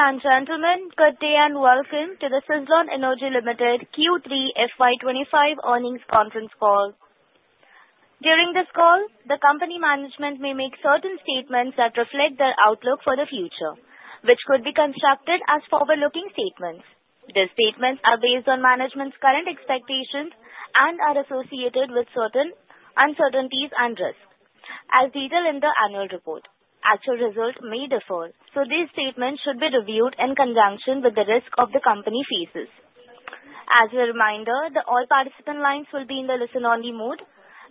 Ladies and gentlemen, good day and welcome to the Suzlon Energy Limited Q3 FY25 earnings conference call. During this call, the company management may make certain statements that reflect their outlook for the future, which could be construed as forward-looking statements. These statements are based on management's current expectations and are associated with certain uncertainties and risks, as detailed in the annual report. Actual results may differ, so these statements should be reviewed in conjunction with the risks the company faces. As a reminder, all participant lines will be in the listen-only mode,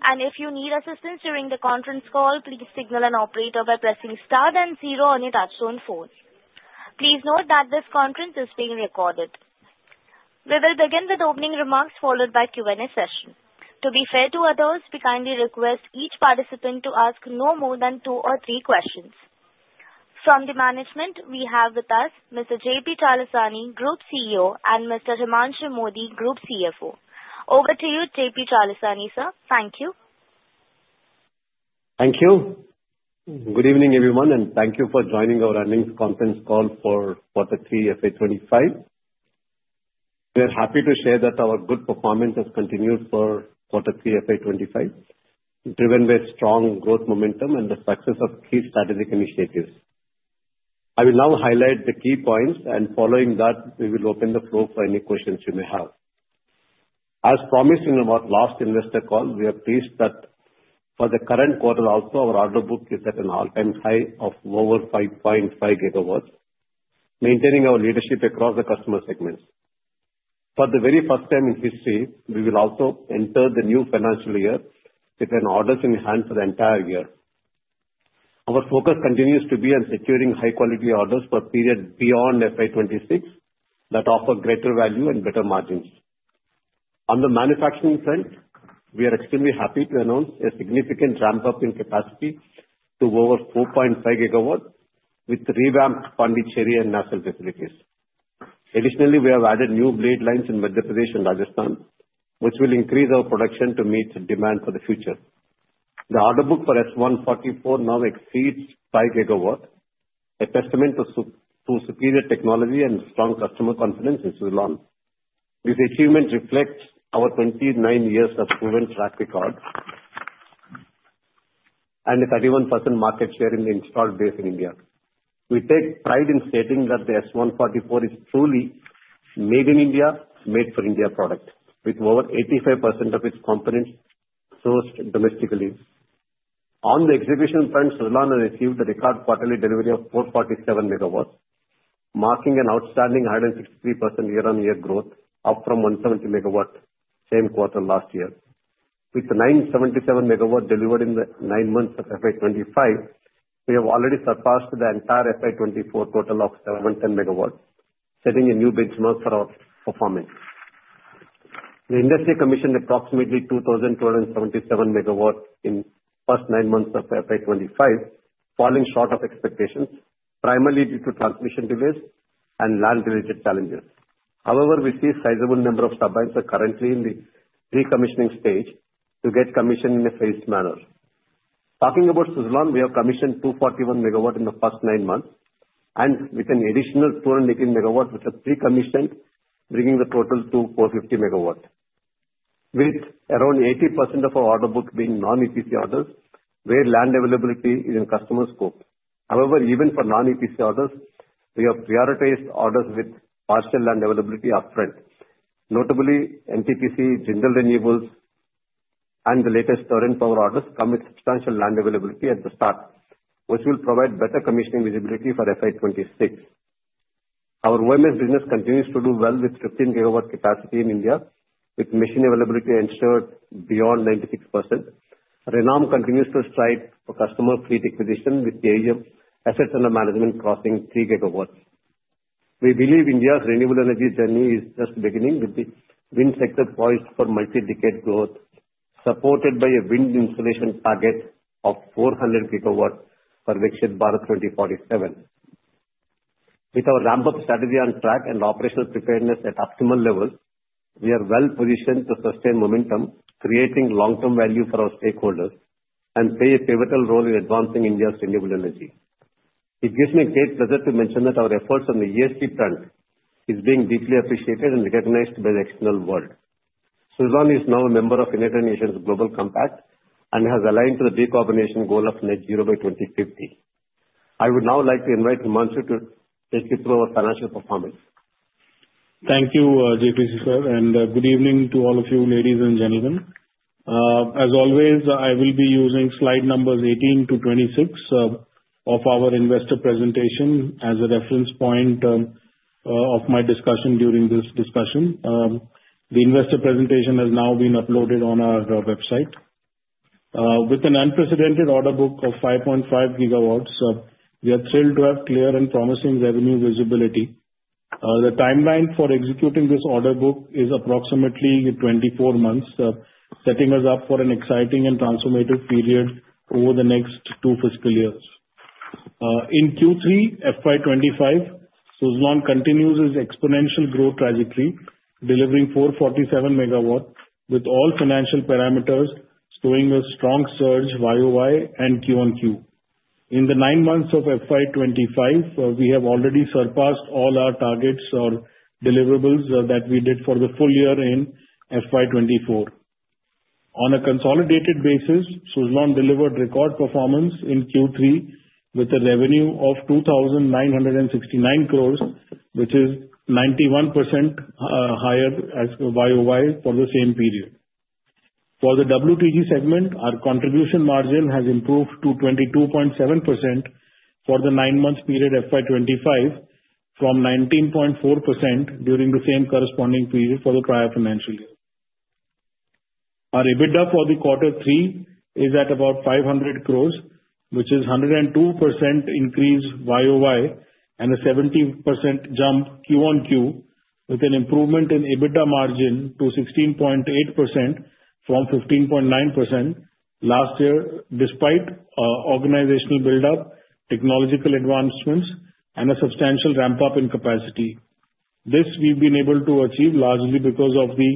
and if you need assistance during the conference call, please signal an operator by pressing Star then Zero on your touch-tone phone. Please note that this conference is being recorded. We will begin with opening remarks followed by a Q&A session. To be fair to others, we kindly request each participant to ask no more than two or three questions. From the management, we have with us Mr. JP Chalasani, Group CEO, and Mr. Himanshu Mody, Group CFO. Over to you, JP Chalasani. Sir, thank you. Thank you. Good evening, everyone, and thank you for joining our earnings conference call for Quarter 3 FY25. We are happy to share that our good performance has continued for Quarter 3 FY25, driven by strong growth momentum and the success of key strategic initiatives. I will now highlight the key points, and following that, we will open the floor for any questions you may have. As promised in our last investor call, we are pleased that for the current quarter also, our order book is at an all-time high of over 5.5 gigawatts, maintaining our leadership across the customer segments. For the very first time in history, we will also enter the new financial year with orders in hand for the entire year. Our focus continues to be on securing high-quality orders for a period beyond FY26 that offer greater value and better margins. On the manufacturing front, we are extremely happy to announce a significant ramp-up in capacity to over 4.5 gigawatts with revamped Pondicherry and Daman facilities. Additionally, we have added new blade lines in Madhya Pradesh and Rajasthan, which will increase our production to meet demand for the future. The order book for S144 now exceeds 5 gigawatts, a testament to superior technology and strong customer confidence in Suzlon. This achievement reflects our 29 years of proven track record and a 31% market share in the installed base in India. We take pride in stating that the S144 is truly made in India, made for India product, with over 85% of its components sourced domestically. On the execution front, Suzlon has achieved a record quarterly delivery of 447 megawatts, marking an outstanding 163% year-on-year growth, up from 170 megawatts same quarter last year. With the 977 megawatts delivered in the nine months of FY25, we have already surpassed the entire FY24 total of 710 megawatts, setting a new benchmark for our performance. The industry commissioned approximately 2,277 megawatts in the first nine months of FY25, falling short of expectations, primarily due to transmission delays and land-related challenges. However, we see a sizable number of turbines currently in the pre-commissioning stage to get commissioned in a phased manner. Talking about Suzlon, we have commissioned 241 megawatts in the first nine months, and with an additional 218 megawatts, which are pre-commissioned, bringing the total to 450 megawatts. With around 80% of our order book being non-EPC orders, where land availability is in customer scope. However, even for non-EPC orders, we have prioritized orders with partial land availability upfront. Notably, NTPC, Jindal Renewables, and the latest Torrent Power orders come with substantial land availability at the start, which will provide better commissioning visibility for FY26. Our OMS business continues to do well with 15 GW capacity in India, with machine availability ensured beyond 96%. Renom continues to strive for customer fleet acquisition with the aim of assets under management crossing 3 GW. We believe India's renewable energy journey is just beginning, with the wind sector poised for multi-decade growth, supported by a wind installation target of 400 GW for Viksit Bharat 2047. With our ramp-up strategy on track and operational preparedness at optimal levels, we are well positioned to sustain momentum, creating long-term value for our stakeholders and play a pivotal role in advancing India's renewable energy. It gives me great pleasure to mention that our efforts on the ESG front are being deeply appreciated and recognized by the external world. Suzlon is now a member of United Nations Global Compact and has aligned to the decarbonization goal of Net Zero by 2050. I would now like to invite Himanshu to take you through our financial performance. Thank you, JP Chalasani, and good evening to all of you, ladies and gentlemen. As always, I will be using slide numbers 18 to 26 of our investor presentation as a reference point of my discussion during this discussion. The investor presentation has now been uploaded on our website. With an unprecedented order book of 5.5 gigawatts, we are thrilled to have clear and promising revenue visibility. The timeline for executing this order book is approximately 24 months, setting us up for an exciting and transformative period over the next two fiscal years. In Q3 FY25, Suzlon continues its exponential growth trajectory, delivering 447 megawatts, with all financial parameters showing a strong surge YOY and QoQ. In the nine months of FY25, we have already surpassed all our targets or deliverables that we did for the full year in FY24. On a consolidated basis, Suzlon delivered record performance in Q3 with a revenue of 2,969 crores, which is 91% higher YOY for the same period. For the WTG segment, our contribution margin has improved to 22.7% for the nine-month period FY25, from 19.4% during the same corresponding period for the prior financial year. Our EBITDA for the quarter 3 is at about 500 crores, which is 102% increase YOY and a 70% jump QoQ, with an improvement in EBITDA margin to 16.8% from 15.9% last year, despite organizational build-up, technological advancements, and a substantial ramp-up in capacity. This we've been able to achieve largely because of the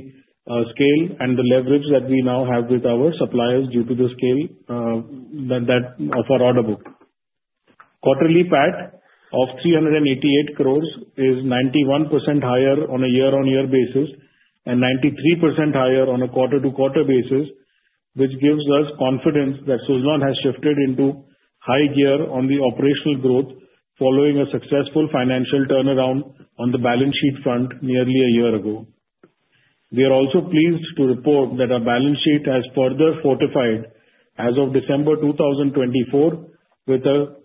scale and the leverage that we now have with our suppliers due to the scale of our order book. Quarterly PAT of 388 crores is 91% higher on a year-on-year basis and 93% higher on a quarter-to-quarter basis, which gives us confidence that Suzlon has shifted into high gear on the operational growth, following a successful financial turnaround on the balance sheet front nearly a year ago. We are also pleased to report that our balance sheet has further fortified as of December 2024, with a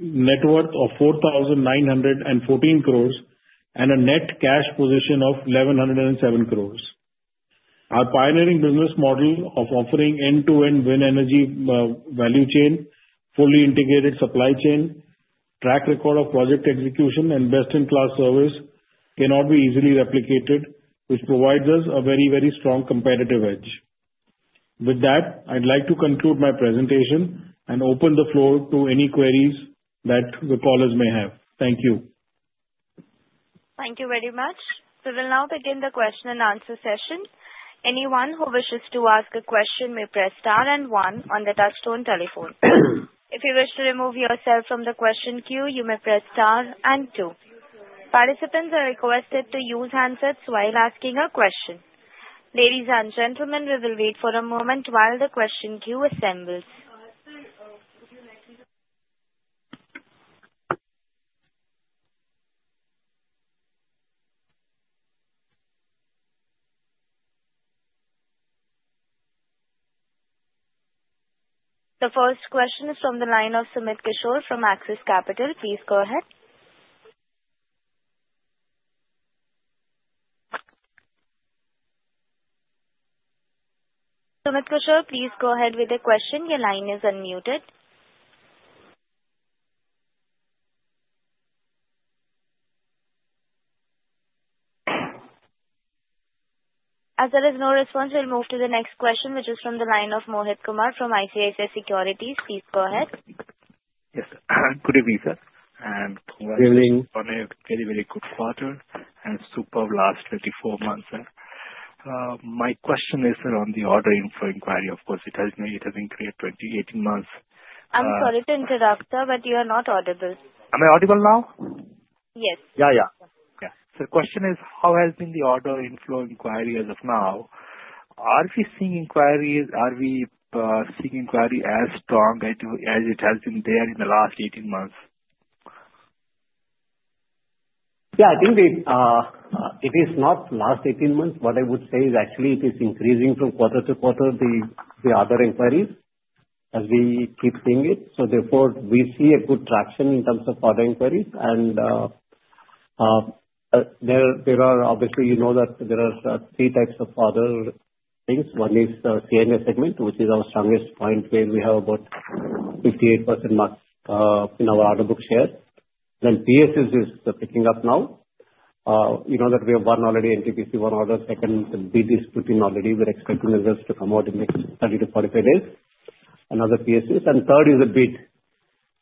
net worth of 4,914 crores and a net cash position of 1,107 crores. Our pioneering business model of offering end-to-end wind energy value chain, fully integrated supply chain, track record of project execution, and best-in-class service cannot be easily replicated, which provides us a very, very strong competitive edge. With that, I'd like to conclude my presentation and open the floor to any queries that the callers may have. Thank you. Thank you very much. We will now begin the question-and-answer session. Anyone who wishes to ask a question may press Star and 1 on the touch-tone telephone. If you wish to remove yourself from the question queue, you may press Star and 2. Participants are requested to use handsets while asking a question. Ladies and gentlemen, we will wait for a moment while the question queue assembles. The first question is from the line of Sumit Kishore from Axis Capital. Please go ahead. Sumit Kishore, please go ahead with the question. Your line is unmuted. As there is no response, we'll move to the next question, which is from the line of Mohit Kumar from ICICI Securities. Please go ahead. Yes. Good evening, sir, and we're in a very, very good quarter and superb last 24 months. My question is around the order inflow inquiry. Of course, it has been created 20-18 months. I'm sorry to interrupt, sir, but you are not audible. Am I audible now? Yes. So the question is, how has been the order inflow inquiry as of now? Are we seeing inquiries? Are we seeing inquiry as strong as it has been there in the last 18 months? Yeah, I think it is not last 18 months. What I would say is actually it is increasing from quarter to quarter, the other inquiries, as we keep seeing it. So therefore, we see a good traction in terms of other inquiries. And there are, obviously, you know that there are three types of other things. One is C&I segment, which is our strongest point, where we have about 58% market share in our order book. Then PSU is picking up now. You know that we have one already, NTPC, one order. Second, the bid is put in already. We're expecting results to come out in the next 30-45 days. Another PSU. And third is the hybrid.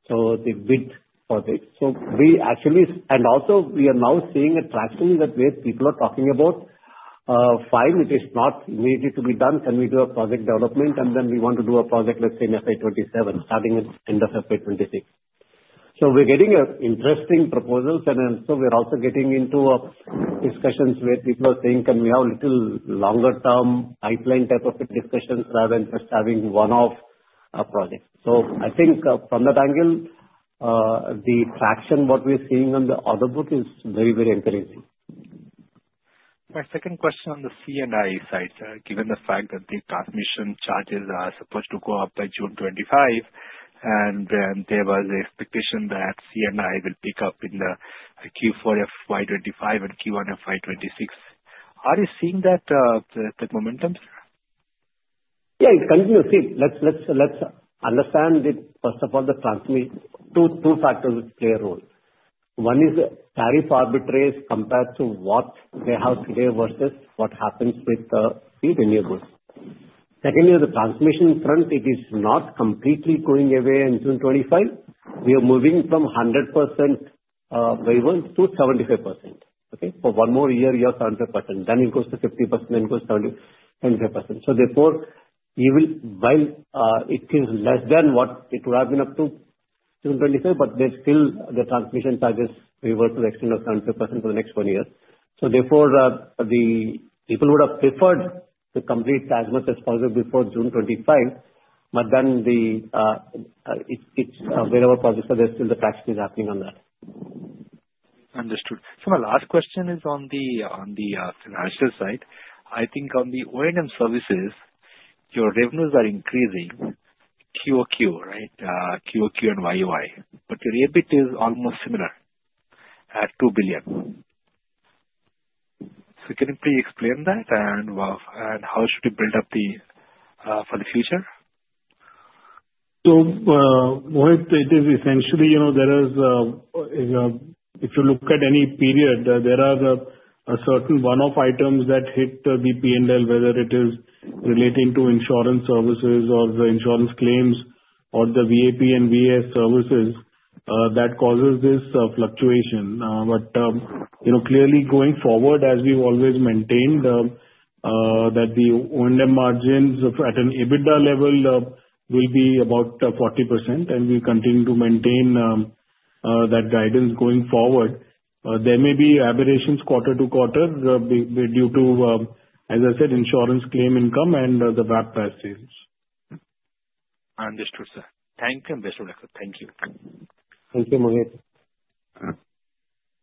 So the hybrid project. So we actually - and also, we are now seeing a traction that people are talking about. Hybrid, it is not immediately to be done. Can we do a project development? And then we want to do a project, let's say, in FY27, starting at the end of FY26. So we're getting interesting proposals. And so we're also getting into discussions where people are saying, "Can we have a little longer-term pipeline type of discussions rather than just having one-off projects?" So I think from that angle, the traction what we're seeing on the order book is very, very encouraging. My second question on the C&I side, given the fact that the transmission charges are supposed to go up by June 25, and there was an expectation that C&I will pick up in the Q4 FY25 and Q1 FY26. Are you seeing that momentum, sir? Yeah, it continues. See, let's understand that, first of all, the transmission, two factors play a role. One is tariff arbitrage compared to what they have today versus what happens with the renewables. Secondly, on the transmission front, it is not completely going away in June 25. We are moving from 100% waiver to 75%. Okay? For one more year, you have 75%. Then it goes to 50%, then it goes to 75%. So therefore, while it is less than what it would have been up to June 25, but there's still the transmission charges waiver to the extent of 75% for the next one year. So therefore, people would have preferred to complete as much as possible before June 25. But then it's wherever projects are, there's still the traction is happening on that. Understood. So my last question is on the financial side. I think on the O&M services, your revenues are increasing QOQ, right? QOQ and YOY. But your EBIT is almost similar at 2 billion. So can you please explain that, and how should you build up for the future? So Mohit, it is essentially there is, if you look at any period, there are certain one-off items that hit the P&L, whether it is relating to insurance services or the insurance claims or the VAT and VAS services, that causes this fluctuation. But clearly, going forward, as we've always maintained that the O&M margins at an EBITDA level will be about 40%, and we'll continue to maintain that guidance going forward. There may be aberrations quarter to quarter due to, as I said, insurance claim income and the VAT taxes. Understood, sir. Thank you, Mr. Mody. Thank you. Thank you, Mohit.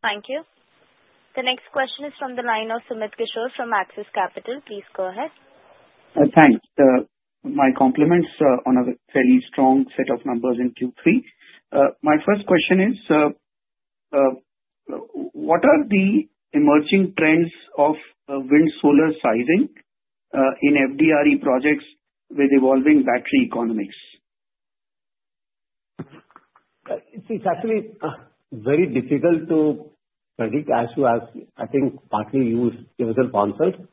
Thank you. The next question is from the line of Sumit Kishore from Axis Capital. Please go ahead. Thanks. My compliments on a fairly strong set of numbers in Q3. My first question is, what are the emerging trends of wind solar sizing in FDRE projects with evolving battery economics? It's actually very difficult to predict as you ask, I think, partly due to universal concept.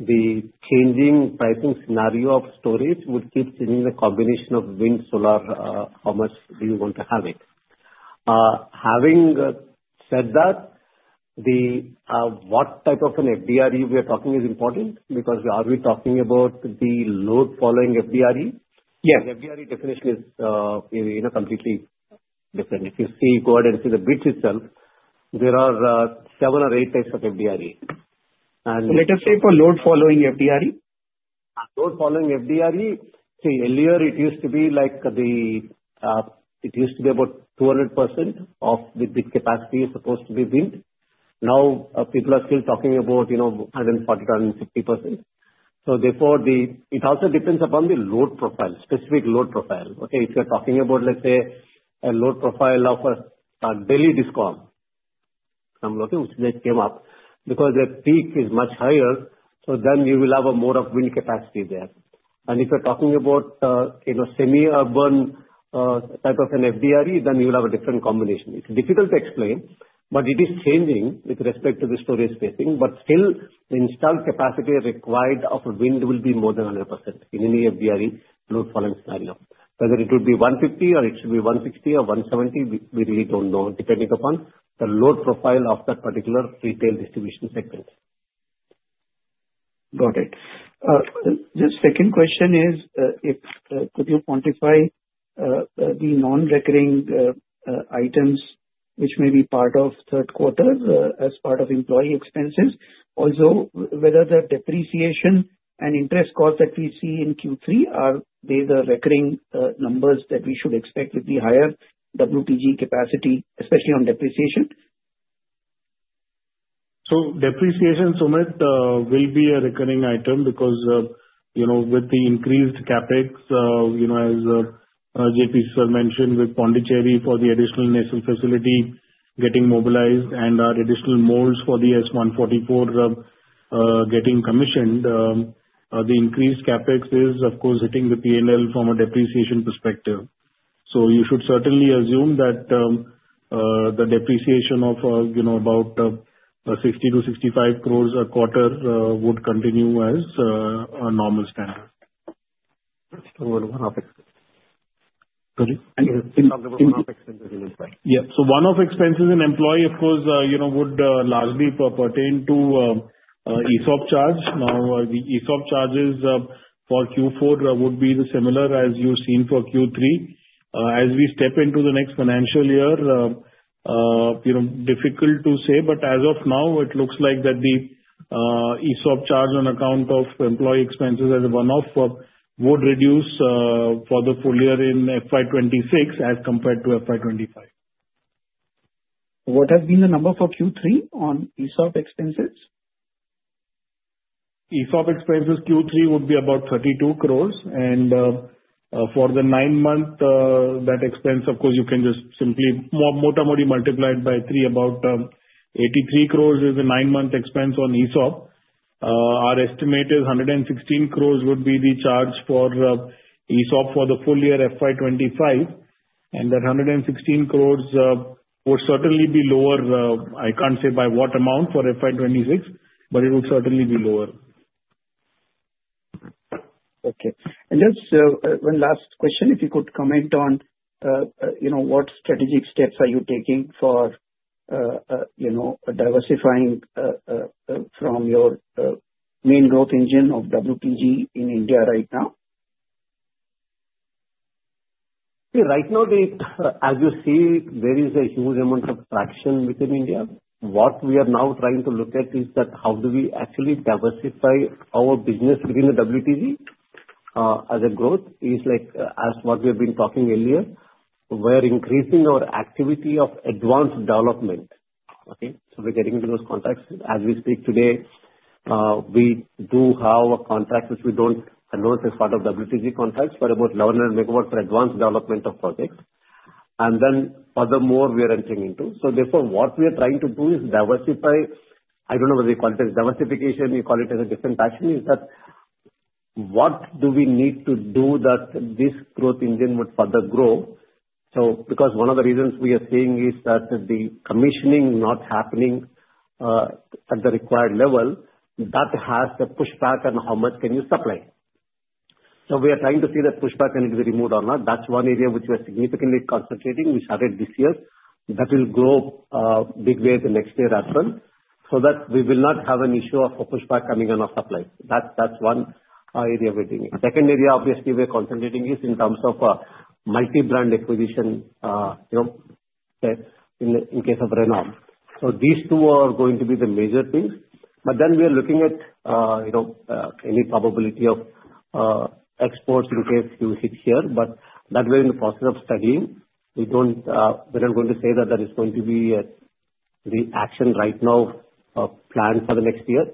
The changing pricing scenario of storage would keep changing the combination of wind solar how much do you want to have it. Having said that, what type of an FDRE we are talking is important because are we talking about the load-following FDRE? Yes. The FDRE definition is completely different. If you see, go ahead and see the bid itself, there are seven or eight types of FDRE. Let us say for load-following FDRE? Load-following FDRE. See, earlier it used to be like it used to be about 200% of the capacity is supposed to be wind. Now people are still talking about 140-150%. So therefore, it also depends upon the load profile, specific load profile. Okay? If you're talking about, let's say, a load profile of a Delhi discom, okay, which came up, because the peak is much higher, so then you will have more of wind capacity there. And if you're talking about semi-urban type of an FDRE, then you'll have a different combination. It's difficult to explain, but it is changing with respect to the storage spacing. But still, the installed capacity required of wind will be more than 100% in any FDRE load-following scenario. Whether it will be 150 or it should be 160 or 170, we really don't know, depending upon the load profile of that particular retail distribution segment. Got it. The second question is, could you quantify the non-recurring items which may be part of third quarter as part of employee expenses? Also, whether the depreciation and interest costs that we see in Q3, are they the recurring numbers that we should expect with the higher WTG capacity, especially on depreciation? Depreciation, Sumit, will be a recurring item because with the increased CAPEX, as JP Sir mentioned, with Pondicherry for the additional national facility getting mobilized and our additional molds for the S144 getting commissioned, the increased CAPEX is, of course, hitting the P&L from a depreciation perspective. You should certainly assume that the depreciation of about 60-65 crores a quarter would continue as a normal standard. One-off expenses. Yeah. So one-off expenses in employee, of course, would largely pertain to ESOP charge. Now, the ESOP charges for Q4 would be similar as you've seen for Q3. As we step into the next financial year, difficult to say, but as of now, it looks like that the ESOP charge on account of employee expenses as a one-off would reduce for the full year in FY26 as compared to FY25. What has been the number for Q3 on ESOP expenses? ESOP expenses Q3 would be about 32 crores. And for the nine-month, that expense, of course, you can just simply multiply it by three, about 83 crores is the nine-month expense on ESOP. Our estimate is 116 crores would be the charge for ESOP for the full year FY25. And that 116 crores would certainly be lower. I can't say by what amount for FY26, but it would certainly be lower. Okay, and just one last question, if you could comment on what strategic steps are you taking for diversifying from your main growth engine of WTG in India right now? Right now, as you see, there is a huge amount of traction within India. What we are now trying to look at is that how do we actually diversify our business within the WTG as a growth is like as what we have been talking earlier, where increasing our activity of advanced development. Okay? So we're getting into those contracts. As we speak today, we do have a contract which we don't announce as part of WTG contracts for about 1,100 megawatts for advanced development of projects. And then furthermore, we are entering into. So therefore, what we are trying to do is diversify. I don't know whether you call it as diversification, you call it as a different action, is that what do we need to do that this growth engine would further grow? So because one of the reasons we are seeing is that the commissioning not happening at the required level, that has the pushback on how much can you supply. So we are trying to see that pushback can be removed or not. That's one area which we are significantly concentrating. We started this year. That will grow big way the next year as well. So that we will not have an issue of a pushback coming on our supply. That's one area we're doing. Second area, obviously, we're concentrating is in terms of multi-brand acquisition in case of Renom. So these two are going to be the major things. But then we are looking at any probability of exports in case you sit here. But that we're in the process of studying. We're not going to say that that is going to be the action right now planned for the next year.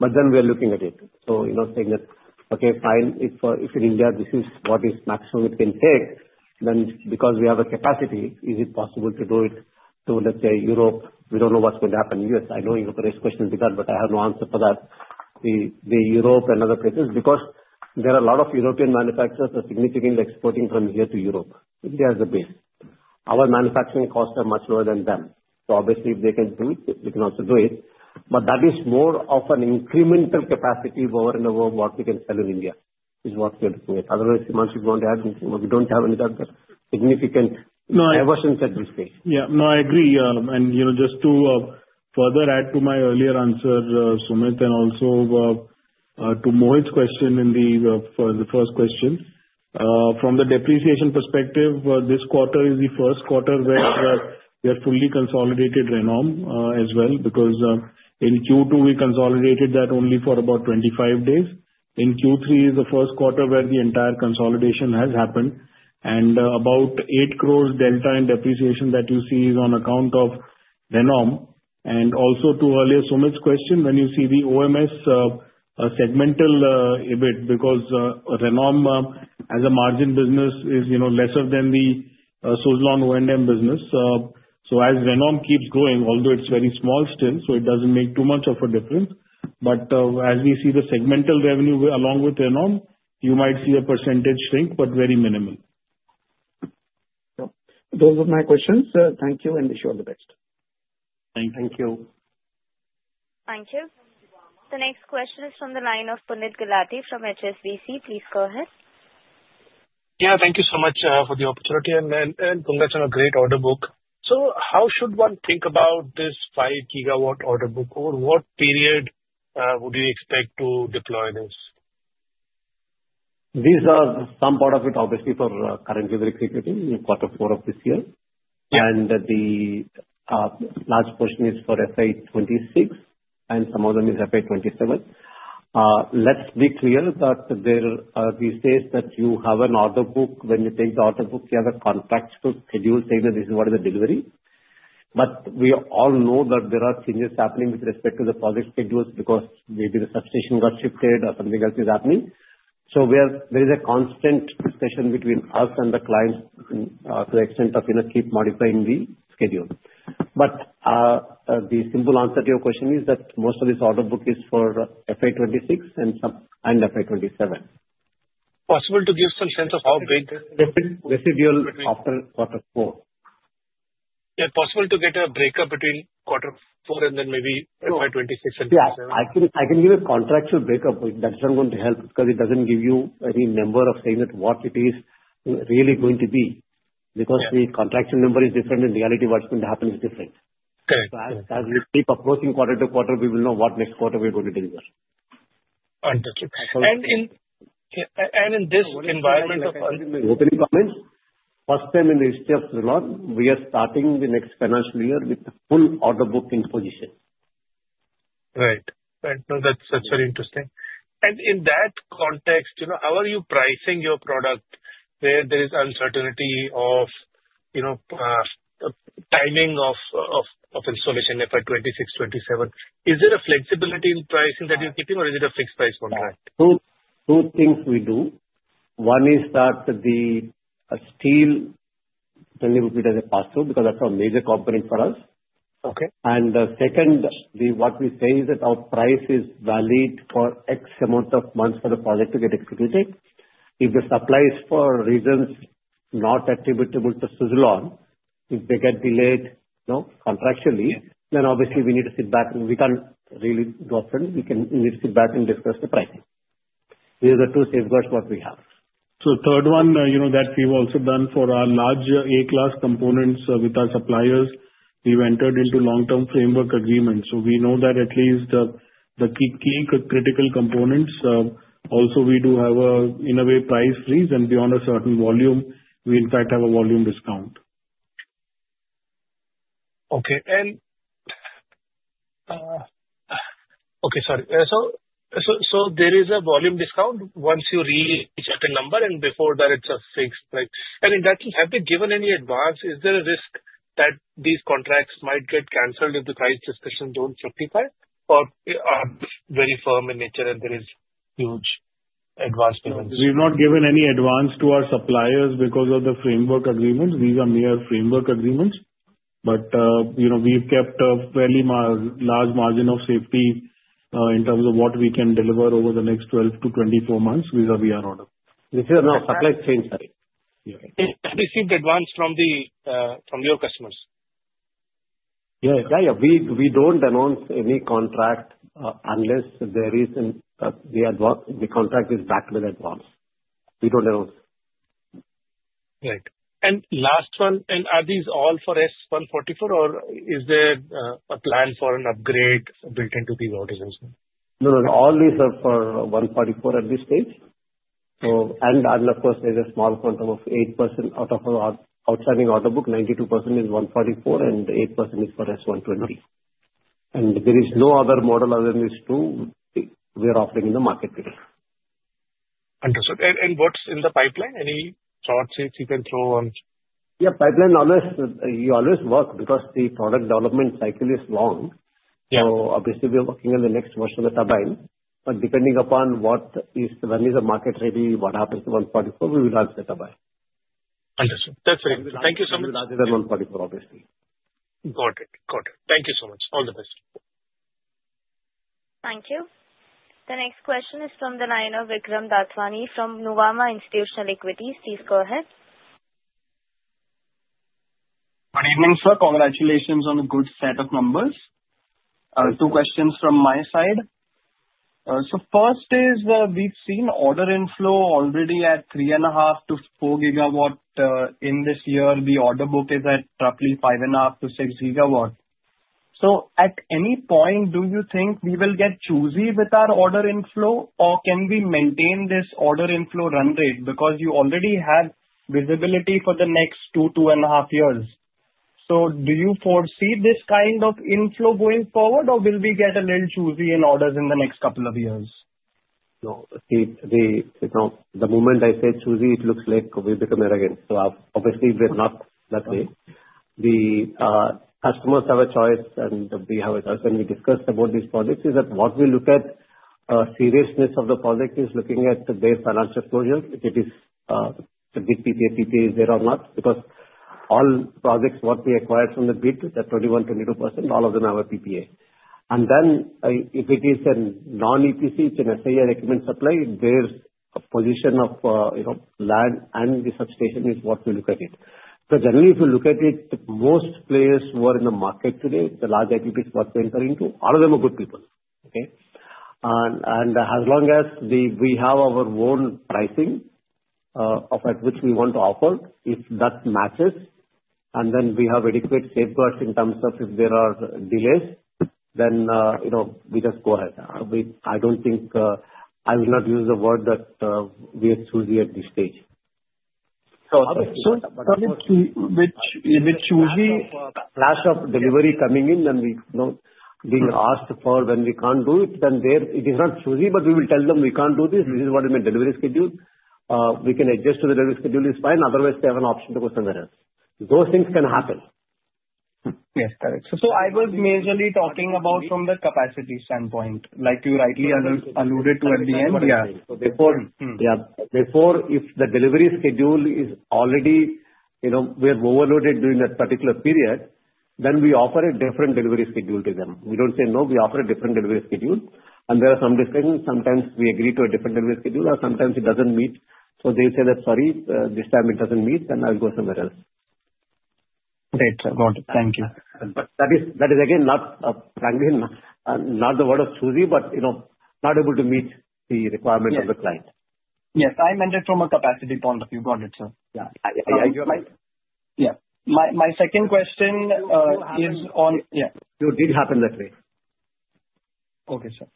But then we are looking at it. So saying that, okay, fine, if in India this is what is maximum it can take, then because we have a capacity, is it possible to do it to, let's say, Europe? We don't know what's going to happen. Yes, I know your first question is 'but', but I have no answer for that. To Europe and other places because there are a lot of European manufacturers that are significantly exporting from here to Europe. India is the base. Our manufacturing costs are much lower than them. So obviously, if they can do it, we can also do it. But that is more of an incremental capacity over and above what we can sell in India is what we're looking at. Otherwise, once you go on to add, we don't have any other significant diversions at this stage. Yeah. No, I agree. And just to further add to my earlier answer, Sumit, and also to Mohit's question in the first question, from the depreciation perspective, this quarter is the first quarter where we have fully consolidated Renom as well because in Q2, we consolidated that only for about 25 days. In Q3 is the first quarter where the entire consolidation has happened. And about 8 crore delta in depreciation that you see is on account of Renom. And also to earlier Sumit's question, when you see the OMS segmental EBIT because Renom as a margin business is lesser than the Suzlon O&M business. So as Renom keeps growing, although it's very small still, so it doesn't make too much of a difference. But as we see the segmental revenue along with Renom, you might see a percentage shrink, but very minimal. Those were my questions. Thank you, and wish you all the best. Thank you. Thank you. Thank you. The next question is from the line of Puneet Gulati from HSBC. Please go ahead. Yeah. Thank you so much for the opportunity and congrats on a great order book. So how should one think about this five-gigawatt order book? Or what period would you expect to deploy this? These are some part of it, obviously, for the current fiscal quarter four of this year. And the large portion is for FY26, and some of them is FY27. Let's be clear that these days that you have an order book, when you take the order book, you have a contract to schedule saying that this is what is the delivery. But we all know that there are changes happening with respect to the project schedules because maybe the substation got shifted or something else is happening. So there is a constant discussion between us and the clients to the extent of keep modifying the schedule. But the simple answer to your question is that most of this order book is for FY26 and FY27. Possible to give some sense of how big? Residual after quarter four. Yeah. Possible to get a break-up between quarter four and then maybe FY26 and FY27? Yeah. I can give a contractual breakdown, but that's not going to help because it doesn't give you any number or saying that what it is really going to be because the contractual number is different and reality of what's going to happen is different. Correct. As we keep approaching quarter to quarter, we will know what next quarter we're going to deliver. Understood. And in this environment of. Opening comments, first time in the history of Suzlon, we are starting the next financial year with the full order book position. Right. Right. No, that's very interesting. In that context, how are you pricing your product where there is uncertainty of timing of installation, FY26, FY27? Is there a flexibility in pricing that you're keeping, or is it a fixed price contract? Two things we do. One is that the steel delivery as a pass-through because that's a major component for us. And second, what we say is that our price is valid for X amount of months for the project to get executed. If the supply is for reasons not attributable to Suzlon, if they get delayed contractually, then obviously we need to sit back. We can't really go up and we need to sit back and discuss the pricing. These are the two safeguards what we have. So third one that we've also done for our large A-class components with our suppliers, we've entered into long-term framework agreements. So we know that at least the key critical components. Also, we do have a, in a way, price reason, beyond a certain volume, we in fact have a volume discount. Okay. And okay, sorry. So there is a volume discount once you reach a certain number, and before that, it's a fixed price. And in that case, have they given any advance? Is there a risk that these contracts might get canceled if the price discussions don't fructify or are very firm in nature and there is huge advance payments? We've not given any advance to our suppliers because of the framework agreements. These are mere framework agreements. But we've kept a fairly large margin of safety in terms of what we can deliver over the next 12-24 months with our VR order. This is a supply chain, sorry. Received advance from your customers? We don't announce any contract unless the contract is backed with advance. We don't announce. Right. Last one, are these all for S144, or is there a plan for an upgrade built into these orders as well? No, no. All these are for 144 at this stage. And of course, there's a small quantum of 8% out of our outstanding order book. 92% is 144, and 8% is for S120. And there is no other model other than these two we are offering in the marketplace. Understood. What's in the pipeline? Any thoughts you can throw on? Yeah. Pipeline always you always work because the product development cycle is long, so obviously, we are working on the next version of the turbine, but depending upon what, when is the market ready, what happens to S144, we will advance the turbine. Understood. That's very good. Thank you so much. We will answer 144, obviously. Got it. Got it. Thank you so much. All the best. Thank you. The next question is from the line of Vikram Datwani from Nuvama Institutional Equities. Please go ahead. Good evening, sir. Congratulations on a good set of numbers. Two questions from my side. So first is we've seen order inflow already at 3.5-4 gigawatt in this year. The order book is at roughly 5.5-6 gigawatt. So at any point, do you think we will get choosy with our order inflow, or can we maintain this order inflow run rate because you already have visibility for the next two, two and a half years? So do you foresee this kind of inflow going forward, or will we get a little choosy in orders in the next couple of years? No. The moment I say choosy, it looks like we become arrogant. So obviously, we're not that way. The customers have a choice, and we have a choice. When we discussed about these projects, is that what we look at? Seriousness of the project is looking at their financial closure, if it is a big PPA, PPA is there or not. Because all projects what we acquired from the bid, that 21-22%, all of them have a PPA. And then if it is a non-EPC, it's an C&I recommend supply, their position of land and the substation is what we look at it. So generally, if you look at it, most players who are in the market today, the large IPPs what we enter into, all of them are good people. Okay? As long as we have our own pricing of which we want to offer, if that matches, and then we have adequate safeguards in terms of if there are delays, then we just go ahead. I don't think I will not use the word that we are choosy at this stage. So if it's choosy. Lots of deliveries coming in, then we're being asked for when we can't do it, then it is not choosy, but we will tell them we can't do this. This is what our delivery schedule may be. We can adjust to the delivery schedule. It is fine. Otherwise, they have an option to go somewhere else. Those things can happen. Yes. Correct. So I was majorly talking about from the capacity standpoint, like you rightly alluded to at the end. Yeah. So before, if the delivery schedule is already we're overloaded during that particular period, then we offer a different delivery schedule to them. We don't say no. We offer a different delivery schedule. And there are some discussions. Sometimes we agree to a different delivery schedule, or sometimes it doesn't meet. So they say that, "Sorry, this time it doesn't meet, then I'll go somewhere else. Great. Got it. Thank you. But that is, again, not the word of choice, but not able to meet the requirement of the client. Yes. I meant it from a capacity point of view. Got it, sir. Yeah. Yeah. My second question is on. You did happen. Yeah. No, it did happen that way. Okay, sir.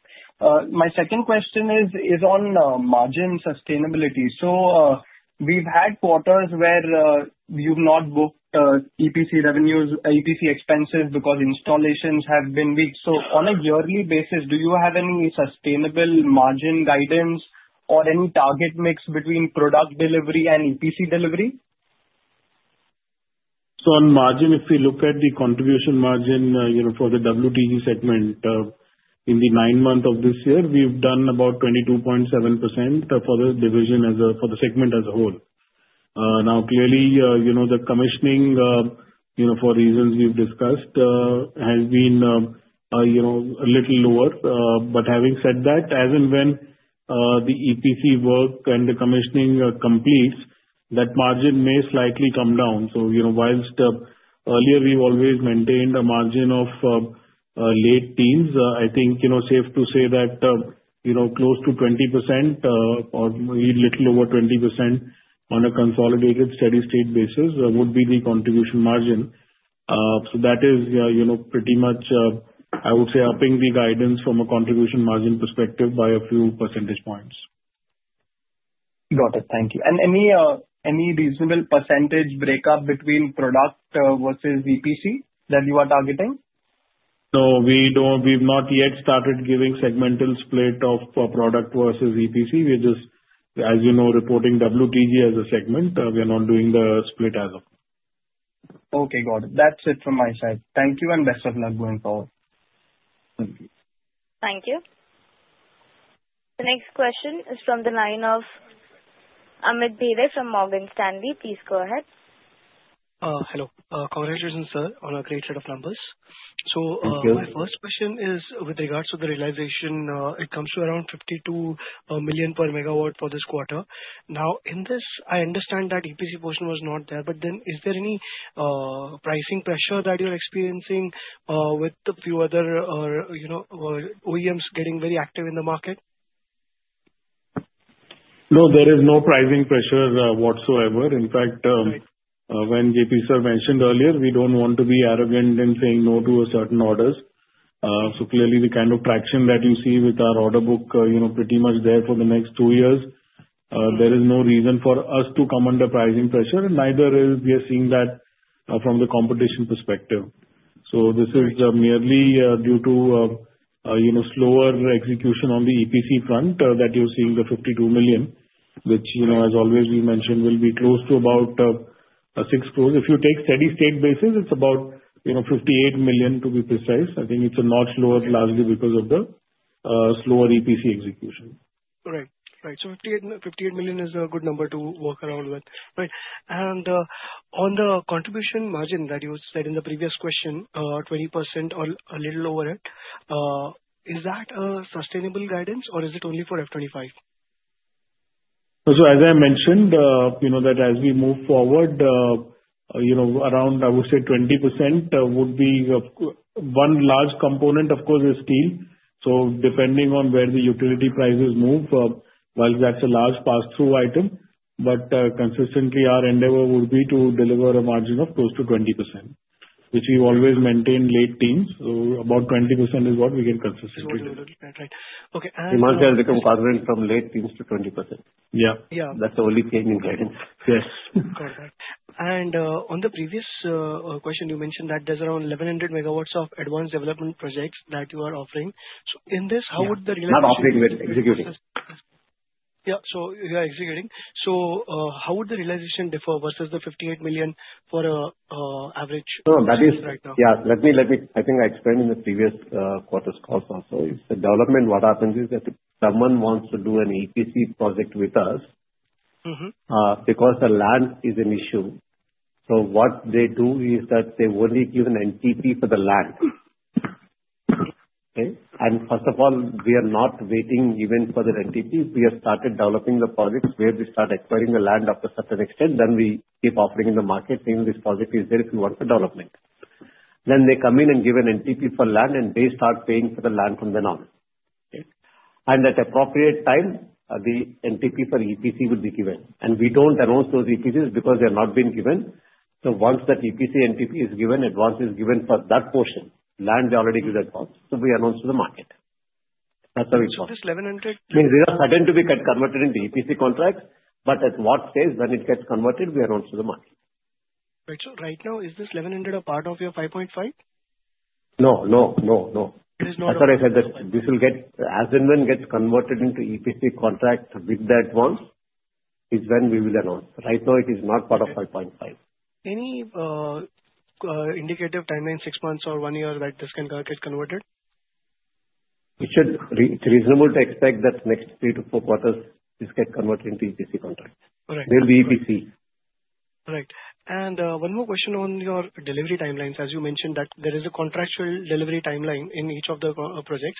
My second question is on margin sustainability. So we've had quarters where you've not booked EPC revenues, EPC expenses because installations have been weak. So on a yearly basis, do you have any sustainable margin guidance or any target mix between product delivery and EPC delivery? On margin, if we look at the contribution margin for the WTG segment in the nine months of this year, we've done about 22.7% for the division as a whole for the segment as a whole. Now, clearly, the commissioning, for reasons we've discussed, has been a little lower. But having said that, as and when the EPC work and the commissioning completes, that margin may slightly come down. While earlier we've always maintained a margin of late teens, I think safe to say that close to 20% or a little over 20% on a consolidated steady-state basis would be the contribution margin. That is pretty much, I would say, upping the guidance from a contribution margin perspective by a few percentage points. Got it. Thank you. And any reasonable percentage breakup between product versus EPC that you are targeting? No, we've not yet started giving segmental split of product versus EPC. We're just, as you know, reporting WTG as a segment. We are not doing the split as of. Okay. Got it. That's it from my side. Thank you and best of luck going forward. Thank you. Thank you. The next question is from the line of Amit Mehra from Morgan Stanley. Please go ahead. Hello. Congratulations, sir, on a great set of numbers. So my first question is with regards to the realization, it comes to around 52 million per megawatt for this quarter. Now, in this, I understand that EPC portion was not there, but then is there any pricing pressure that you're experiencing with a few other OEMs getting very active in the market? No, there is no pricing pressure whatsoever. In fact, when JP sir mentioned earlier, we don't want to be arrogant in saying no to certain orders. So clearly, the kind of traction that you see with our order book pretty much there for the next two years, there is no reason for us to come under pricing pressure. And neither are we seeing that from the competition perspective. So this is merely due to slower execution on the EPC front that you're seeing the 52 million, which, as always, we mentioned, will be close to about a sixth close. If you take steady-state basis, it's about 58 million, to be precise. I think it's a notch lower, largely because of the slower EPC execution. Right. Right. So 58 million is a good number to work around with. Right. And on the contribution margin that you said in the previous question, 20% or a little over it, is that a sustainable guidance, or is it only for F25? As I mentioned, as we move forward, around, I would say, 20% would be one large component. Of course, that is steel. Depending on where the utility prices move, while that's a large pass-through item, but consistently, our endeavor would be to deliver a margin of close to 20%, which we always maintain late teens. About 20% is what we can consistently do. Right. Okay. And. We must have the contribution margin from late teens to 20%. Yeah. That's the only change in guidance. Yes. Got that. And on the previous question, you mentioned that there's around 1,100 megawatts of advanced development projects that you are offering. So in this, how would the realization? I'm operating with executing. Yeah. So you're executing. So how would the realization differ versus the 58 million for an average? No, that is. Right now. Yeah. Let me explain. In the previous quarter's calls also, the development, what happens is that if someone wants to do an EPC project with us because the land is an issue, so what they do is that they only give an NTP for the land. Okay? And first of all, we are not waiting even for the NTP. We have started developing the projects where we start acquiring the land up to a certain extent, then we keep offering in the market, saying, "This project is there if you want the development." Then they come in and give an NTP for land, and they start paying for the land from then on. Okay? And at appropriate time, the NTP for EPC will be given. And we don't announce those EPCs because they have not been given. So once that EPC NTP is given, advance is given for that portion. Land, they already give the advance. So we announce to the market. That's how it works. Is this 1,100? I mean, these are certain to be converted into EPC contracts, but at what stage, when it gets converted, we announce to the market. Right. So right now, is this 1,100 a part of your 5.5? No. No. No. No. There is no advance? That's what I said, that this will get as and when it gets converted into EPC contract with the advance is when we will announce. Right now, it is not part of 5.5. Any indicative timeline, six months or one year, that this can get converted? It's reasonable to expect that next three to four quarters, this gets converted into EPC contracts. Right. They'll be EPC. Right. And one more question on your delivery timelines. As you mentioned that there is a contractual delivery timeline in each of the projects.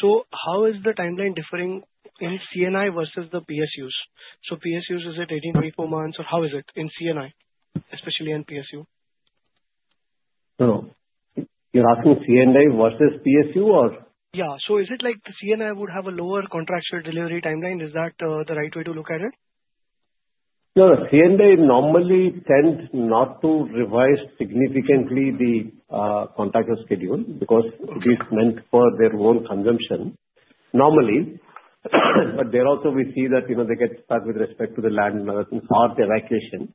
So how is the timeline differing in C&I versus the PSUs? So PSUs, is it 18-24 months, or how is it in C&I, especially in PSU? So you're asking C&I versus PSU, or? Yeah. So is it like C&I would have a lower contractual delivery timeline? Is that the right way to look at it? No. C&I normally tend not to revise significantly the contractual schedule because it is meant for their own consumption, normally. But there also, we see that they get stuck with respect to the land and other things, or the evacuation.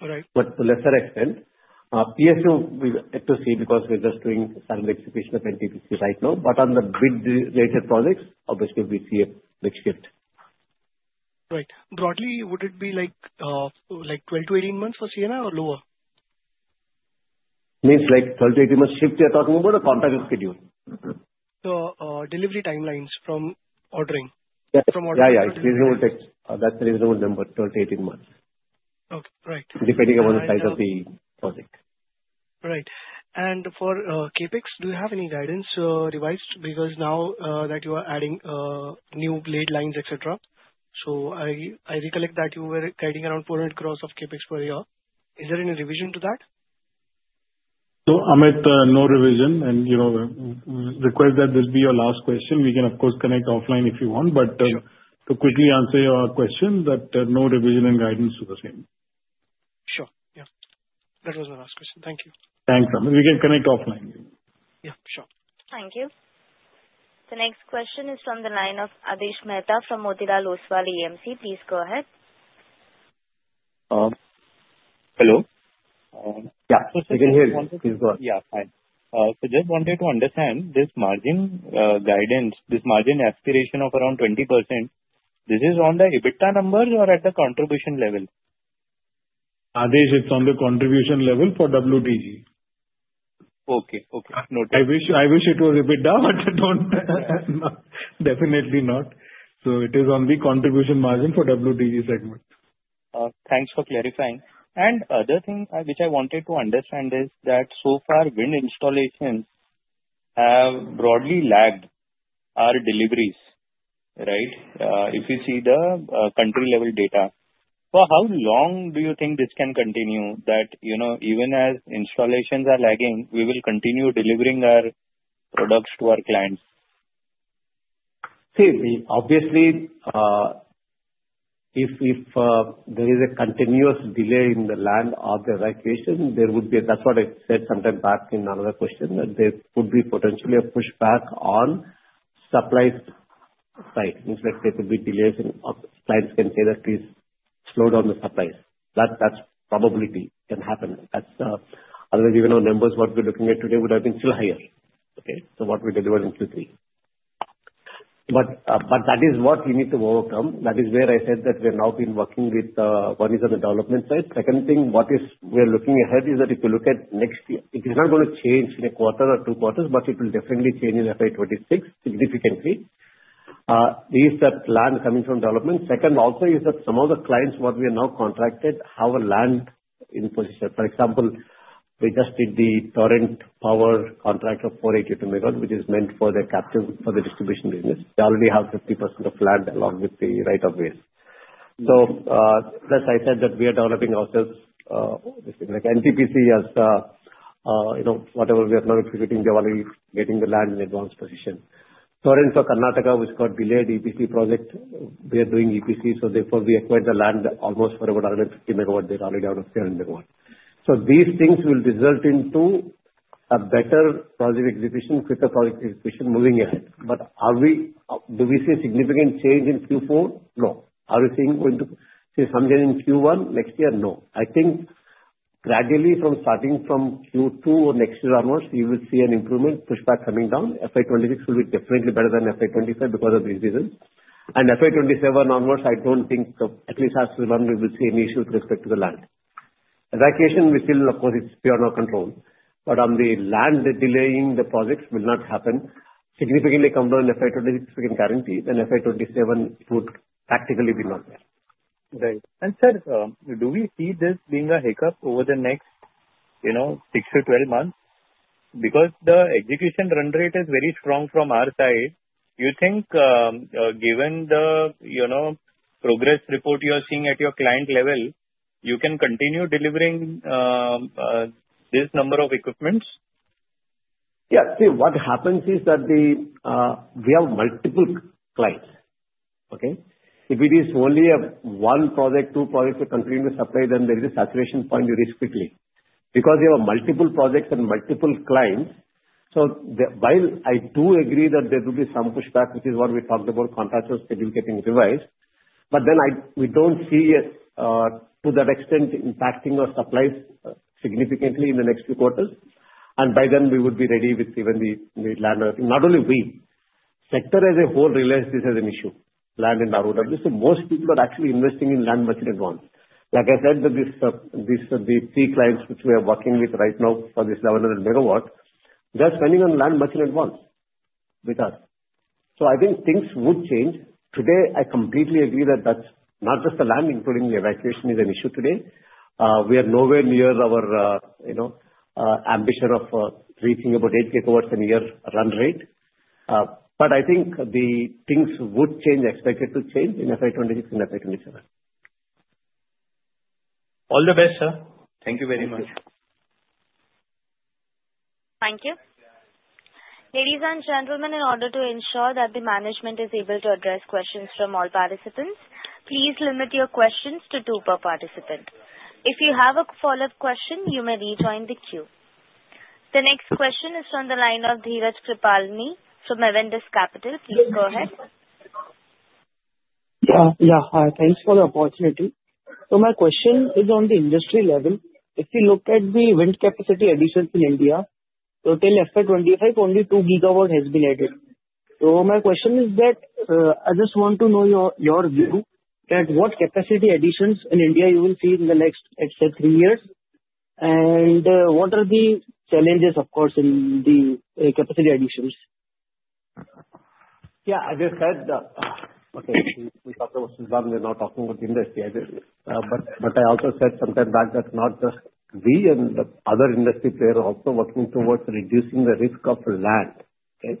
Right. But to a lesser extent, PSU, we have to see because we're just doing some execution of NTPC right now. But on the bid-related projects, obviously, we see a big shift. Right. Broadly, would it be like 12-18 months for C&I or lower? Means like 12 to 18 months shift you're talking about or contract schedule? The delivery timelines from ordering. Yeah. Yeah. Yeah. That's the reasonable number, 12 to 18 months. Okay. Right. Depending on the size of the project. Right. And for CapEx, do you have any guidance revised because now that you are adding new blade lines, etc.? So I recollect that you were guiding around 400 crores of CapEx per year. Is there any revision to that? So, Amit, no revision. And request that this be your last question. We can, of course, connect offline if you want. But to quickly answer your question, that no revision and guidance to the same. Sure. Yeah. That was my last question. Thank you. Thanks, Amit. We can connect offline. Yeah. Sure. Thank you. The next question is from the line of Adesh Mehta from Motilal Oswal AMC. Please go ahead. Hello? Yeah. I can hear you. Please go ahead. Yeah. Fine. So just wanted to understand this margin guidance, this margin aspiration of around 20%. This is on the EBITDA numbers or at the contribution level? Adesh, it's on the contribution level for WTG. Okay. Okay. I wish it was EBITDA, but definitely not. So it is on the contribution margin for WTG segment. Thanks for clarifying. And other thing which I wanted to understand is that so far, wind installations have broadly lagged our deliveries, right, if you see the country-level data. For how long do you think this can continue, that even as installations are lagging, we will continue delivering our products to our clients? See, obviously, if there is a continuous delay in the land or the evacuation, there would be a—that's what I said sometime back in another question—that there could be potentially a pushback on supply side. It means that there could be delays and clients can say that, "Please slow down the supplies." That's probability can happen. Otherwise, even our numbers, what we're looking at today, would have been still higher. Okay? So what we delivered in Q3. But that is what we need to overcome. That is where I said that we have now been working with one is on the development side. Second thing, what we are looking ahead is that if you look at next year, it is not going to change in a quarter or two quarters, but it will definitely change in FY26 significantly. These are land coming from development. Second also is that some of the clients, what we have now contracted, have land in position. For example, we just did the Torrent Power contract of 482 MW, which is meant for the distribution business. They already have 50% of land along with the rights-of-way. So as I said, that we are developing ourselves. NTPC has whatever we have now executing, they're already getting the land in advanced position. Torrent Power for Karnataka, which got delayed EPC project, we are doing EPC. So therefore, we acquired the land almost for about 150 MW. They're already out of 10 MW. So these things will result in a better project execution, quicker project execution moving ahead. But do we see a significant change in Q4? No. Are we going to see some change in Q1 next year? No. I think gradually starting from Q2 next year onwards, you will see an improvement, pushback coming down. FY26 will be definitely better than FY25 because of these reasons. FY27 onwards, I don't think, at least as of the moment, we will see any issue with respect to the land. Evacuation, of course, it's beyond our control. But on the land delaying, the projects will not happen significantly compared to FY26, we can guarantee that FY27 would practically be not there. Right. And sir, do we see this being a hiccup over the next 6 to 12 months? Because the execution run rate is very strong from our side. Do you think given the progress report you are seeing at your client level, you can continue delivering this number of equipments? Yeah. See, what happens is that we have multiple clients. Okay? If it is only one project, two projects to continue to supply, then there is a saturation point you reach quickly. Because you have multiple projects and multiple clients. So while I do agree that there will be some pushback, which is what we talked about, contractors schedule getting revised. But then we don't see it to that extent impacting our supplies significantly in the next few quarters. And by then, we would be ready with even the land. Not only we. Sector as a whole realized this as an issue, land and ROW. So most people are actually investing in land much in advance. Like I said, the three clients which we are working with right now for this 1,100 megawatts, they are spending on land much in advance with us. So I think things would change. Today, I completely agree that that's not just the land, including the evacuation, is an issue today. We are nowhere near our ambition of reaching about eight gigawatts a year run rate. But I think the things would change, expected to change in FY26 and FY27. All the best, sir. Thank you very much. Thank you. Ladies and gentlemen, in order to ensure that the management is able to address questions from all participants, please limit your questions to two per participant. If you have a follow-up question, you may rejoin the queue. The next question is from the line of Dheeraj Kripalani from Avendus Capital. Please go ahead. Yeah. Yeah. Hi. Thanks for the opportunity. So my question is on the industry level. If you look at the wind capacity additions in India, so till FY25, only two gigawatts has been added. So my question is that I just want to know your view that what capacity additions in India you will see in the next, let's say, three years, and what are the challenges, of course, in the capacity additions? Yeah. As I said, okay, we talked about Suzlon. We're now talking about industry. But I also said sometime back that not just we and the other industry players are also working towards reducing the risk of land. Okay?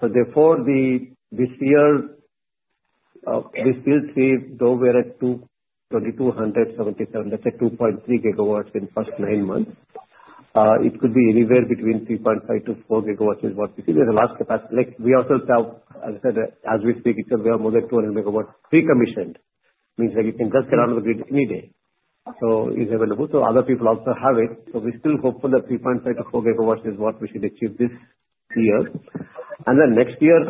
So therefore, this year, we still see though we're at 2,277, let's say 2.3 gigawatts in the first nine months. It could be anywhere between 3.5-4 gigawatts is what we see. There's a large capacity. We also have, as I said, as we speak itself, we have more than 200 megawatts pre-commissioned. Means that you can just get under the grid any day. So it's available. So other people also have it. So we still hope for the 3.5-4 gigawatts is what we should achieve this year. Then next year,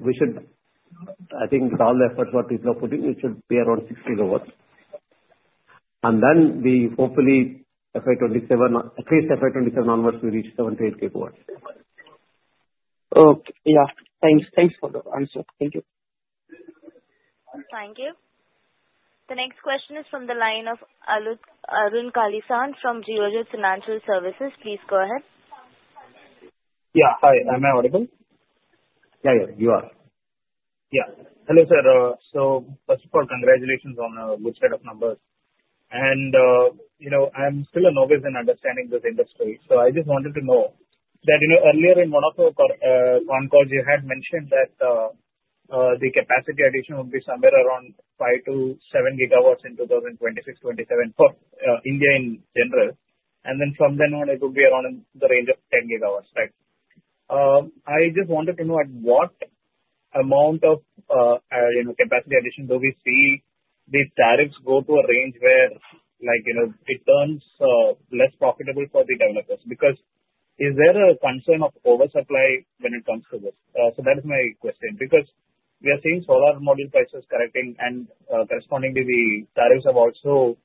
we should, I think, with all the efforts what we've now put in, it should be around 6 gigawatts. Then we hopefully, at least FY27 onwards, we reach 7-8 gigawatts. Okay. Yeah. Thanks. Thanks for the answer. Thank you. Thank you. The next question is from the line of Arun Kalisan from Geojit Financial Services. Please go ahead. Yeah. Hi. Am I audible? Yeah. Yeah. You are. Yeah. Hello sir. So first of all, congratulations on a good set of numbers. And I'm still a novice in understanding this industry. So I just wanted to know that earlier in one of the con calls, you had mentioned that the capacity addition would be somewhere around 5 to 7 gigawatts in 2026-27 for India in general. And then from then on, it would be around the range of 10 gigawatts. Right? I just wanted to know at what amount of capacity addition do we see these tariffs go to a range where it turns less profitable for the developers? Because is there a concern of oversupply when it comes to this? So that is my question. Because we are seeing solar module prices correcting and correspondingly, the tariffs have also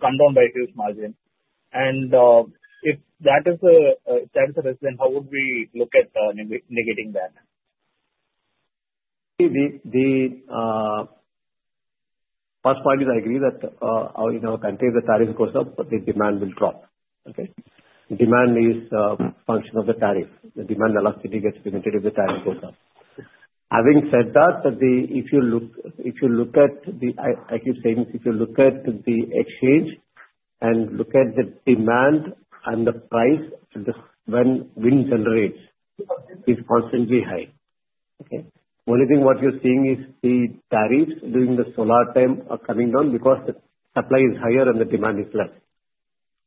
come down by huge margin. If that is the reason, how would we look at negating that? See, the first part is I agree that in our country, the tariff goes up, but the demand will drop. Okay? Demand is a function of the tariff. The demand elasticity gets limited if the tariff goes up. Having said that, if you look at the - I keep saying this - if you look at the exchange and look at the demand and the price when wind generates is constantly high. Okay? The only thing what you're seeing is the tariffs during the solar time are coming down because the supply is higher and the demand is less.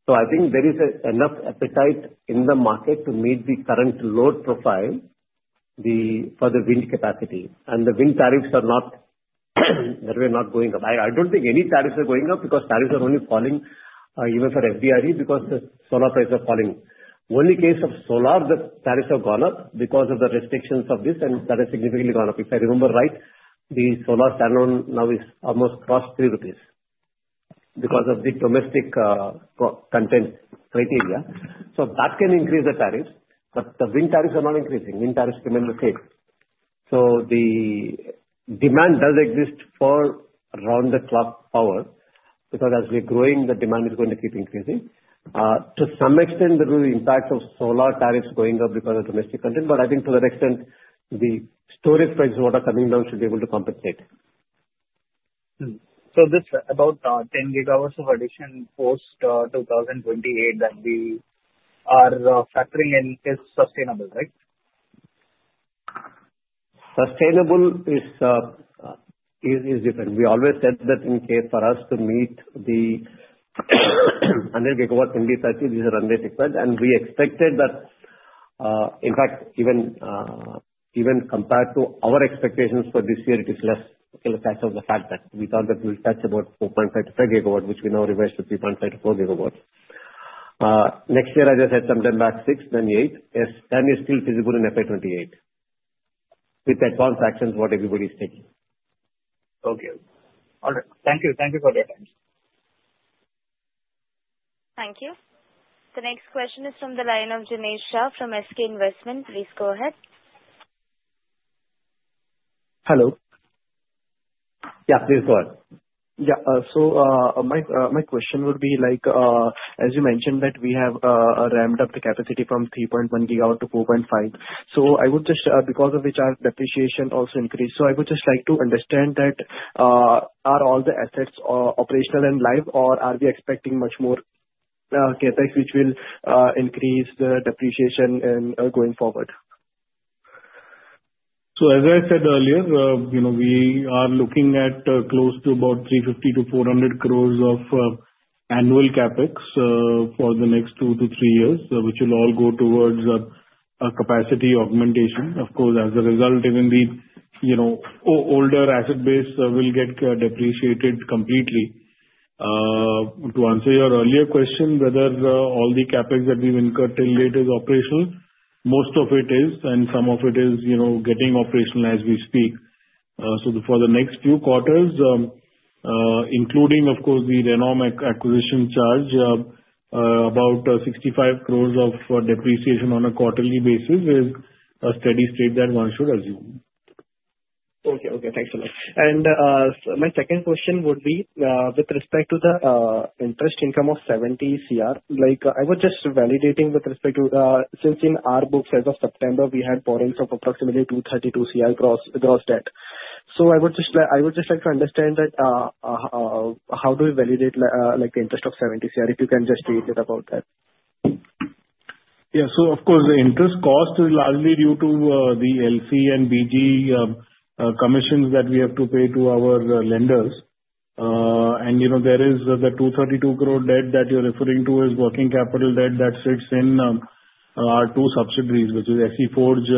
So I think there is enough appetite in the market to meet the current load profile for the wind capacity. And the wind tariffs are not - they're not going up. I don't think any tariffs are going up because tariffs are only falling even for FDRE because the solar prices are falling. Only case of solar, the tariffs have gone up because of the restrictions of this, and that has significantly gone up. If I remember right, the solar standalone now is almost crossed 3 rupees because of the domestic content criteria. So that can increase the tariffs. But the wind tariffs are not increasing. Wind tariffs remain the same. So the demand does exist for around the clock power because as we're growing, the demand is going to keep increasing. To some extent, there will be impacts of solar tariffs going up because of domestic content. But I think to that extent, the storage prices that are coming down should be able to compensate. So, this about 10 gigawatts of addition post-2028 that we are factoring in is sustainable, right? Sustainable is different. We always said that in case for us to meet the 100 gigawatts in 2030, these are unreachable, and we expected that. In fact, even compared to our expectations for this year, it is less. Okay? Let's add on the fact that we thought that we'll touch about 4.5-5 gigawatts, which we now revised to 3.5-4 gigawatts. Next year, as I said, sometime back 6, then 8. Yes. Then it's still feasible in FY28 with the advanced actions what everybody's taking. Okay. All right. Thank you. Thank you for your time. Thank you. The next question is from the line of Dinesh Shah from ASK Investment. Please go ahead. Hello. Yeah. Please go ahead. Yeah. So my question would be, as you mentioned that we have ramped up the capacity from 3.1 gigawatts to 4.5. So I would just, because of which our depreciation also increased. So I would just like to understand that are all the assets operational and live, or are we expecting much more CAPEX which will increase the depreciation going forward? So as I said earlier, we are looking at close to about 350-400 crores of annual CAPEX for the next two to three years, which will all go towards capacity augmentation. Of course, as a result, even the older asset base will get depreciated completely. To answer your earlier question, whether all the CAPEX that we've incurred till date is operational, most of it is, and some of it is getting operational as we speak. So for the next few quarters, including, of course, the Renom acquisition charge, about 65 crores of depreciation on a quarterly basis is a steady state that one should assume. Okay. Okay. Thanks so much. And my second question would be with respect to the interest income of 70 Cr. I was just validating with respect to, since in our books as of September, we had borrowings of approximately 232 Cr gross debt. So I would just like to understand that how do we validate the interest of 70 Cr if you can just read me about that? Yeah. So of course, the interest cost is largely due to the LC and BG commissions that we have to pay to our lenders. And there is the 232 crore debt that you're referring to as working capital debt that sits in our two subsidiaries, which is SEForge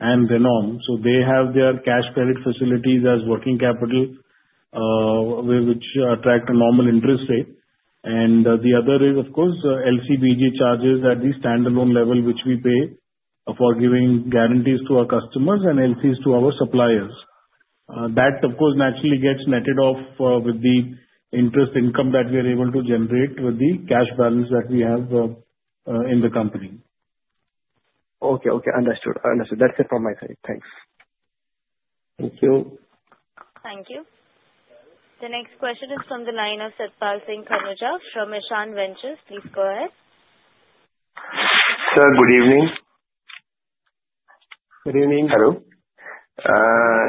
and Renom. So they have their cash credit facilities as working capital which attract a normal interest rate. And the other is, of course, LC/BG charges at the standalone level which we pay for giving guarantees to our customers and LCs to our suppliers. That, of course, naturally gets netted off with the interest income that we are able to generate with the cash balance that we have in the company. Okay. Understood. That's it from my side. Thanks. Thank you. Thank you. The next question is from the line of Siddharth Singh from Ishan Ventures. Please go ahead. Sir, good evening. Good evening. Hello.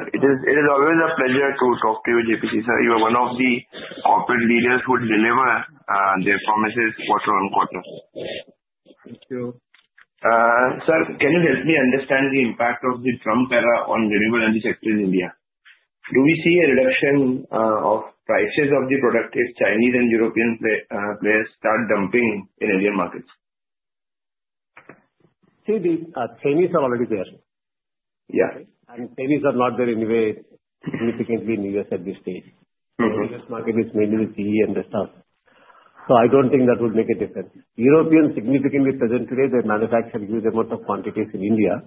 It is always a pleasure to talk to you, JP sir. You are one of the corporate leaders who deliver their promises quarter on quarter. Thank you. Sir, can you help me understand the impact of the Trump era on renewable energy sector in India? Do we see a reduction of prices of the product if Chinese and European players start dumping in Indian markets? See, the Chinese are already there. Yeah. Chinese are not there in a way significantly in the U.S. at this stage. The U.S. market is mainly with GE and the stuff. So I don't think that would make a difference. Europeans significantly present today. They manufacture huge amounts of quantities in India,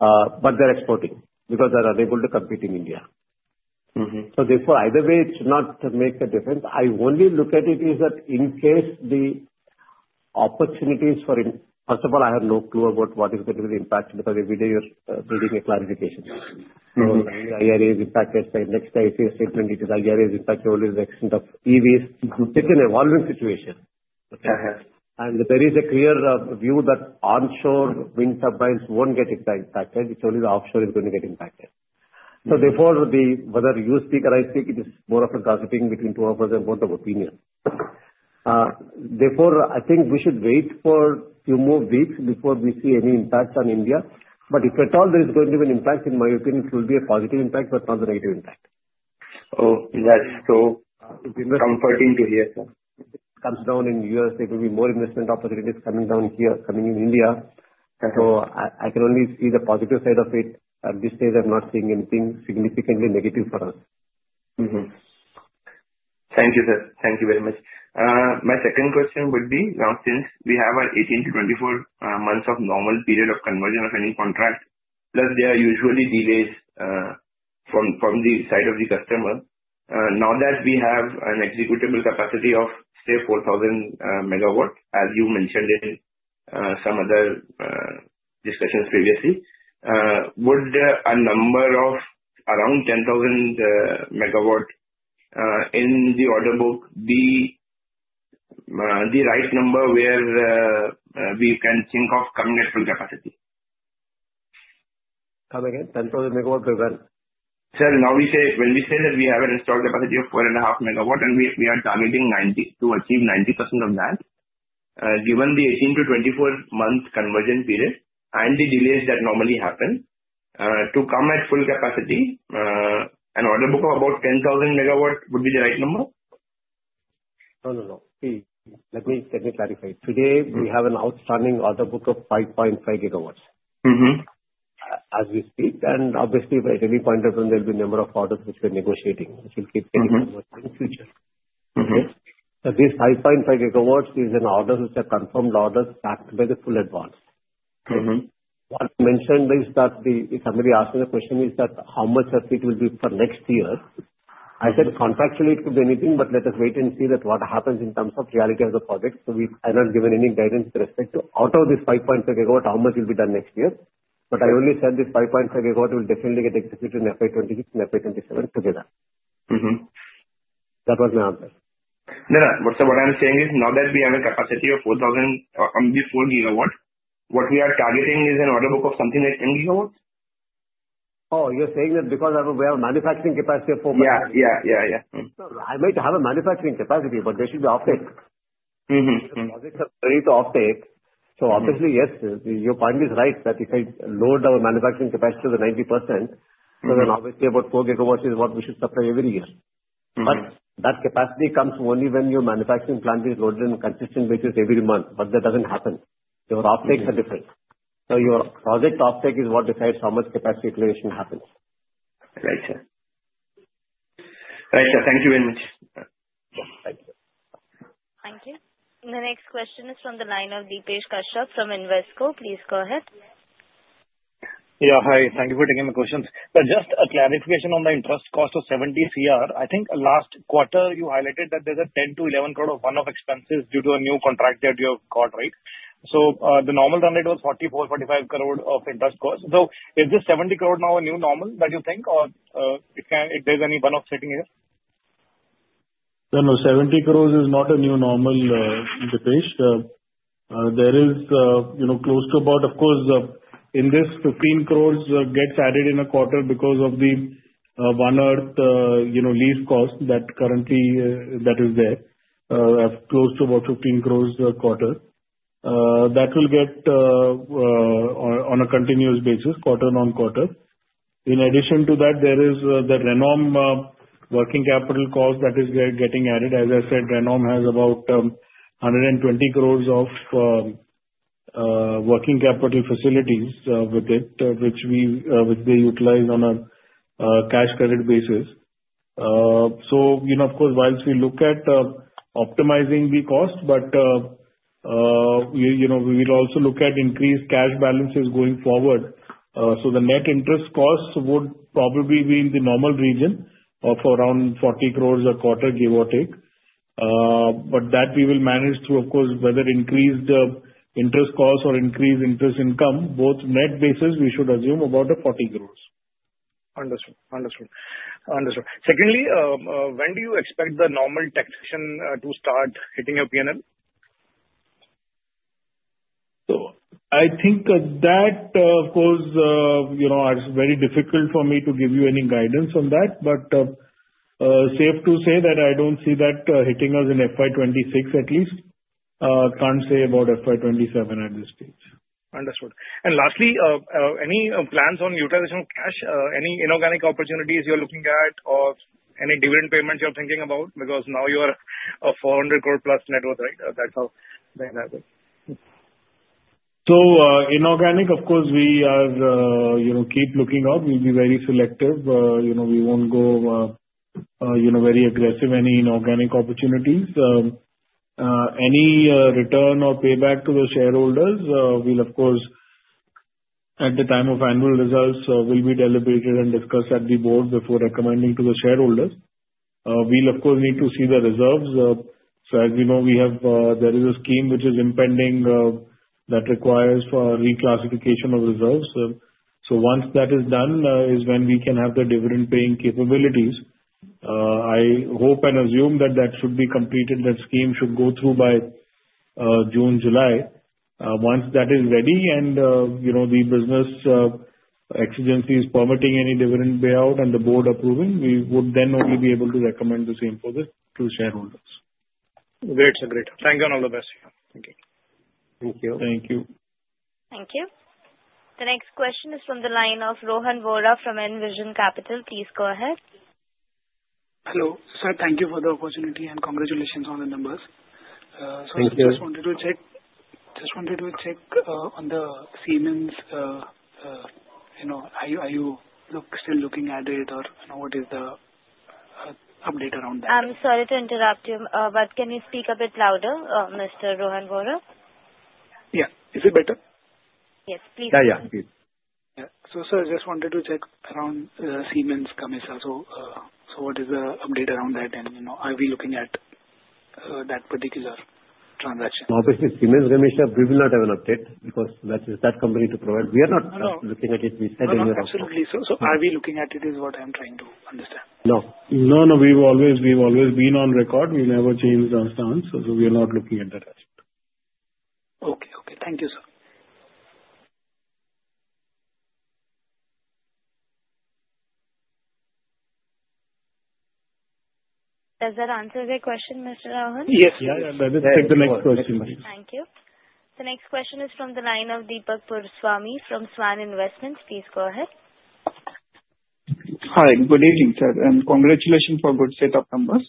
but they're exporting because they're unable to compete in India. So therefore, either way, it should not make a difference. I only look at it is that in case the opportunities for first of all, I have no clue about what is going to be the impact because every day you're needing a clarification. IRA is impacted. The next IRS statement, it is IRA is impacted only to the extent of EVs. It's an evolving situation. And there is a clear view that onshore wind turbines won't get impacted. It's only the offshore that is going to get impacted. So therefore, whether you speak or I speak, it is more of a gossiping between two of us and point of opinion. Therefore, I think we should wait for a few more weeks before we see any impact on India. But if at all there is going to be an impact, in my opinion, it will be a positive impact, but not a negative impact. Oh, yes. So it's comforting to hear, sir. Comes down in U.S., there will be more investment opportunities coming down here, coming in India. So I can only see the positive side of it. At this stage, I'm not seeing anything significantly negative for us. Thank you, sir. Thank you very much. My second question would be now, since we have our 18-24 months of normal period of conversion of any contract, plus there are usually delays from the side of the customer. Now that we have an executable capacity of, say, 4,000 megawatts, as you mentioned in some other discussions previously, would a number of around 10,000 megawatts in the order book be the right number where we can think of coming at full capacity? Come again? 10,000 megawatts or when? Sir, when we say that we have an installed capacity of 4.5 megawatts and we are targeting to achieve 90% of that, given the 18-24 months conversion period and the delays that normally happen, to come at full capacity, an order book of about 10,000 megawatts would be the right number? No, no, no. Let me clarify. Today, we have an outstanding order book of 5.5 gigawatts as we speak. And obviously, at any point of time, there will be a number of orders which we're negotiating. We should keep getting more in the future. Okay? So this 5.5 gigawatts is an order which is a confirmed order backed by the full advance. What I mentioned is that somebody asked me the question is that how much of it will be for next year. I said contractually it could be anything, but let us wait and see what happens in terms of reality of the project. So I'm not giving any guidance with respect to out of this 5.5 gigawatts, how much will be done next year. But I only said this 5.5 gigawatts will definitely get executed in FY26 and FY27 together. That was my answer. No, no. So what I'm saying is now that we have a capacity of 4,000 on these 4 gigawatts, what we are targeting is an order book of something like 10 gigawatts? Oh, you're saying that because we have a manufacturing capacity of 4.5? Yeah. So I might have a manufacturing capacity, but they should be EPC. The projects are ready to EPC. So obviously, yes, your point is right that if I load our manufacturing capacity to the 90%, so then obviously about four gigawatts is what we should supply every year. But that capacity comes only when your manufacturing plant is loaded on a consistent basis every month. But that doesn't happen. Your EPCs are different. So your project EPC is what decides how much capacity creation happens. Right. Right. Thank you very much. Thank you. Thank you. The next question is from the line of Depesh Kashyap from Invesco. Please go ahead. Yeah. Hi. Thank you for taking my questions. Just a clarification on the interest cost of 70 crore. I think last quarter you highlighted that there's a 10 to 11 crore of one-off expenses due to a new contract that you have got, right? So the normal run rate was 44-45 crore of interest cost. So is this 70 crore now a new normal that you think, or if there's any one-off sitting here? No, no. 70 crores is not a new normal, Deepesh. There is close to about, of course, in this, 15 crores gets added in a quarter because of the one-off lease cost that currently that is there. Close to about 15 crores a quarter. That will get on a continuous basis, quarter on quarter. In addition to that, there is the Renom working capital cost that is getting added. As I said, Renom has about 120 crores of working capital facilities with it, which they utilize on a cash credit basis. So of course, while we look at optimizing the cost, but we will also look at increased cash balances going forward. So the net interest cost would probably be in the normal region of around 40 crores a quarter, give or take. But that we will manage through, of course, whether increased interest cost or increased interest income, both net basis, we should assume about 40 crores. Understood. Secondly, when do you expect the normal taxation to start hitting your P&L? So I think that, of course, it's very difficult for me to give you any guidance on that. But safe to say that I don't see that hitting us in FY26 at least. Can't say about FY27 at this stage. Understood. Lastly, any plans on utilization of cash? Any inorganic opportunities you're looking at, or any dividend payments you're thinking about? Because now you are a 400 crore plus net worth, right? That's how things are going. So inorganic, of course, we keep looking out. We'll be very selective. We won't go very aggressive, any inorganic opportunities. Any return or payback to the shareholders will, of course, at the time of annual results, will be deliberated and discussed at the board before recommending to the shareholders. We'll, of course, need to see the reserves. So as we know, there is a scheme which is impending that requires reclassification of reserves. So once that is done is when we can have the dividend-paying capabilities. I hope and assume that that should be completed. That scheme should go through by June, July. Once that is ready and the business exigency is permitting any dividend payout and the board approving, we would then only be able to recommend the same for the shareholders. Great. Great. Thank you and all the best. Thank you. Thank you. Thank you. Thank you. The next question is from the line of Rohan Vora from Envision Capital. Please go ahead. Hello. Sir, thank you for the opportunity and congratulations on the numbers. So I just wanted to check on the Siemens. Are you still looking at it, or what is the update around that? I'm sorry to interrupt you, but can you speak a bit louder, Mr. Rohan Vora? Yeah. Is it better? Yes. Please speak. Yeah. Yeah. Please. Yeah. So sir, I just wanted to check around Siemens Gamesa. So what is the update around that, and are we looking at that particular transaction? Obviously, Siemens Gamesa, we will not have an update because that is that company to provide. We are not looking at it. We said in your answer. Absolutely, so are we looking at it, is what I'm trying to understand. No. No, no. We've always been on record. We never changed our stance. So we are not looking at that. Okay. Okay. Thank you, sir. Does that answer the question, Mr. Rohan? Yes. Yeah. Yeah. Let me take the next question. Thank you. The next question is from the line of Deepak Purswani from Svan Investments. Please go ahead. Hi. Good evening, sir. And congratulations for a good set of numbers.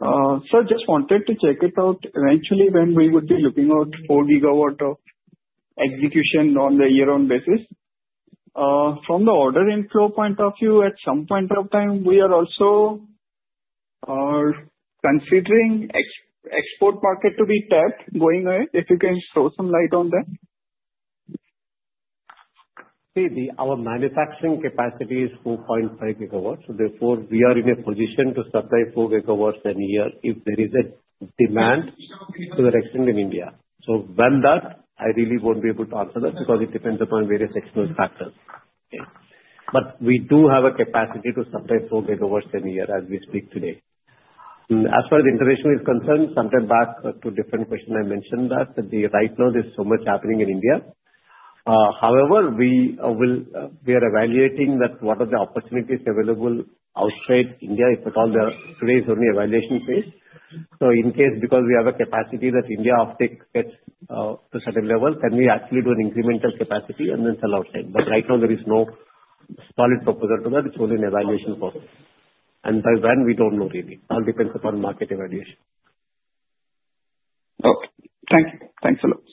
Sir, just wanted to check it out eventually when we would be looking at four gigawatt of execution on the year-end basis. From the order inflow point of view, at some point of time, we are also considering export market to be tapped going ahead. If you can throw some light on that. See, our manufacturing capacity is 4.5 gigawatts. Therefore, we are in a position to supply 4 gigawatts a year if there is a demand to the extent in India. So when that, I really won't be able to answer that because it depends upon various external factors. But we do have a capacity to supply 4 gigawatts a year as we speak today. As far as the international is concerned, some time back in a different question I mentioned that right now there's so much happening in India. However, we are evaluating what opportunities are available outside India. If at all, today is only evaluation phase. So in case because we have a capacity that India EPC gets to a certain level, can we actually do an incremental capacity and then sell outside? But right now, there is no solid proposal to that. It's only an evaluation process. And by when, we don't know really. All depends upon market evaluation. Okay. Thank you. Thanks a lot.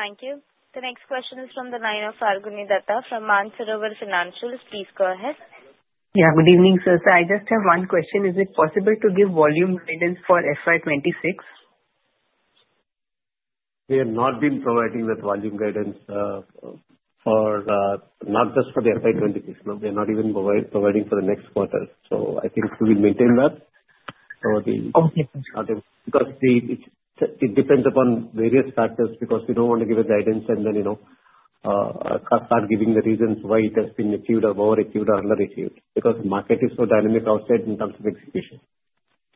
Thank you. The next question is from the line of Falguni Dutta from Mansarovar Financials. Please go ahead. Yeah. Good evening, sir. So I just have one question. Is it possible to give volume guidance for FY26? We have not been providing that volume guidance, not just for the FY26. We are not even providing for the next quarter. So I think we will maintain that. So the. Okay. Because it depends upon various factors because we don't want to give a guidance and then start giving the reasons why it has been achieved or more achieved or underachieved because the market is so dynamic outside in terms of execution.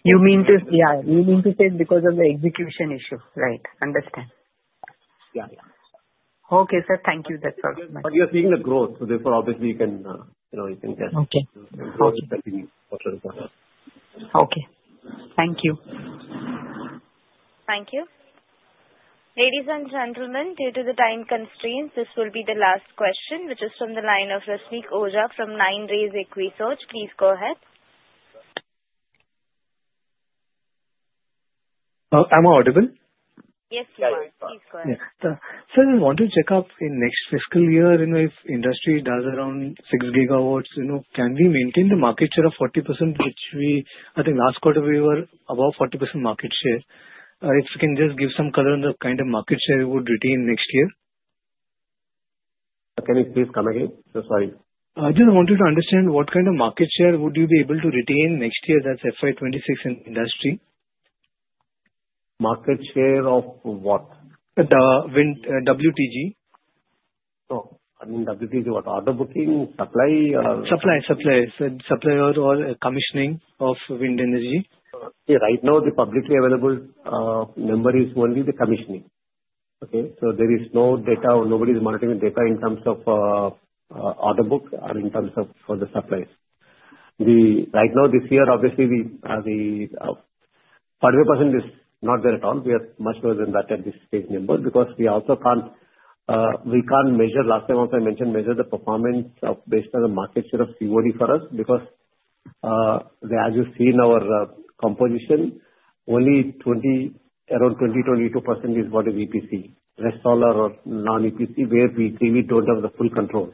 You mean to say. Yeah. You mean to say because of the execution issue. Right. Understand. Yeah. Yeah. Okay, sir. Thank you. That's all. But you're seeing the growth. So therefore, obviously, you can guess. Okay. Growth will continue quarter on quarter. Okay. Thank you. Thank you. Ladies and gentlemen, due to the time constraints, this will be the last question, which is from the line of Rusmik Oza from 9 Rays EquiResearch. Please go ahead. I'm audible? Yes, you are. Please go ahead. Yes, sir, I want to check up in next fiscal year if industry does around six gigawatts. Can we maintain the market share of 40%, which I think last quarter we were above 40% market share? If you can just give some color on the kind of market share we would retain next year. Can you please come again? I'm sorry. I just wanted to understand what kind of market share would you be able to retain next year that's FY26 in industry? Market share of what? WTG. Oh. I mean, WTG, what? Order book, supply, or? Supply. So, supplier or commissioning of wind energy. See, right now, the publicly available number is only the commissioning. Okay? So there is no data or nobody is monitoring data in terms of order book or in terms of the suppliers. Right now, this year, obviously, the 40% is not there at all. We are much worse than that at this stage number because we also can't measure. Last time also I mentioned measure the performance based on the market share of COD for us because as you see in our composition, only around 20-22% is what is EPC. Rest all our non-EPC where we don't have the full control.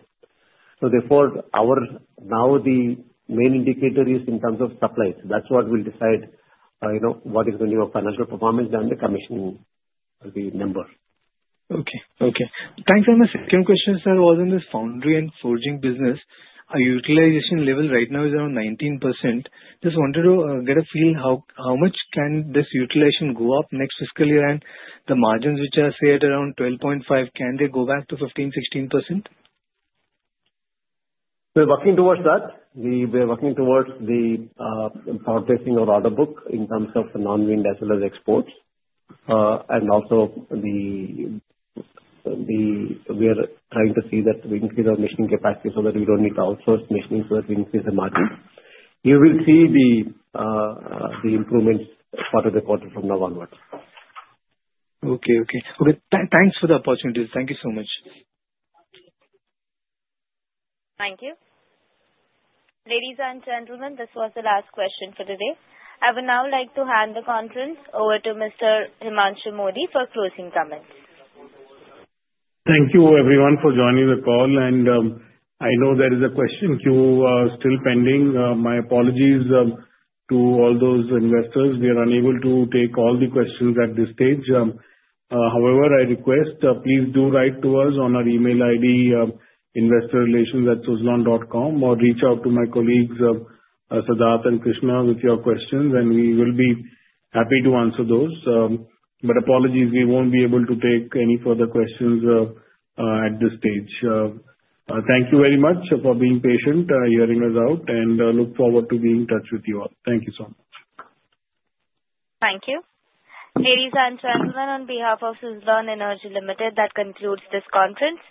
So therefore, now the main indicator is in terms of supplies. That's what will decide what is the new financial performance and the commissioning number. Okay. Okay. Thanks. And my second question, sir, was on this foundry and forging business. Utilization level right now is around 19%. Just wanted to get a feel how much can this utilization go up next fiscal year and the margins which are set around 12.5%, can they go back to 15%-16%? We're working towards that. We're working towards the processing of order book in terms of non-wind as well as exports. And also, we are trying to see that we increase our machining capacity so that we don't need to outsource machining so that we increase the margin. You will see the improvements quarter to quarter from now onwards. Okay. Thanks for the opportunity. Thank you so much. Thank you. Ladies and gentlemen, this was the last question for today. I would now like to hand the conference over to Mr. Himanshu Mody for closing comments. Thank you, everyone, for joining the call, and I know there is a question queue still pending. My apologies to all those investors. We are unable to take all the questions at this stage. However, I request please do write to us on our email ID, investorrelations@suzlon.com, or reach out to my colleagues, Siddharth and Krishna, with your questions, and we will be happy to answer those, but apologies, we won't be able to take any further questions at this stage. Thank you very much for being patient, hearing us out, and look forward to being in touch with you all. Thank you so much. Thank you. Ladies and gentlemen, on behalf of Suzlon Energy Limited, that concludes this conference.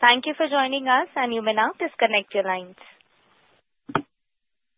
Thank you for joining us, and you may now disconnect your lines.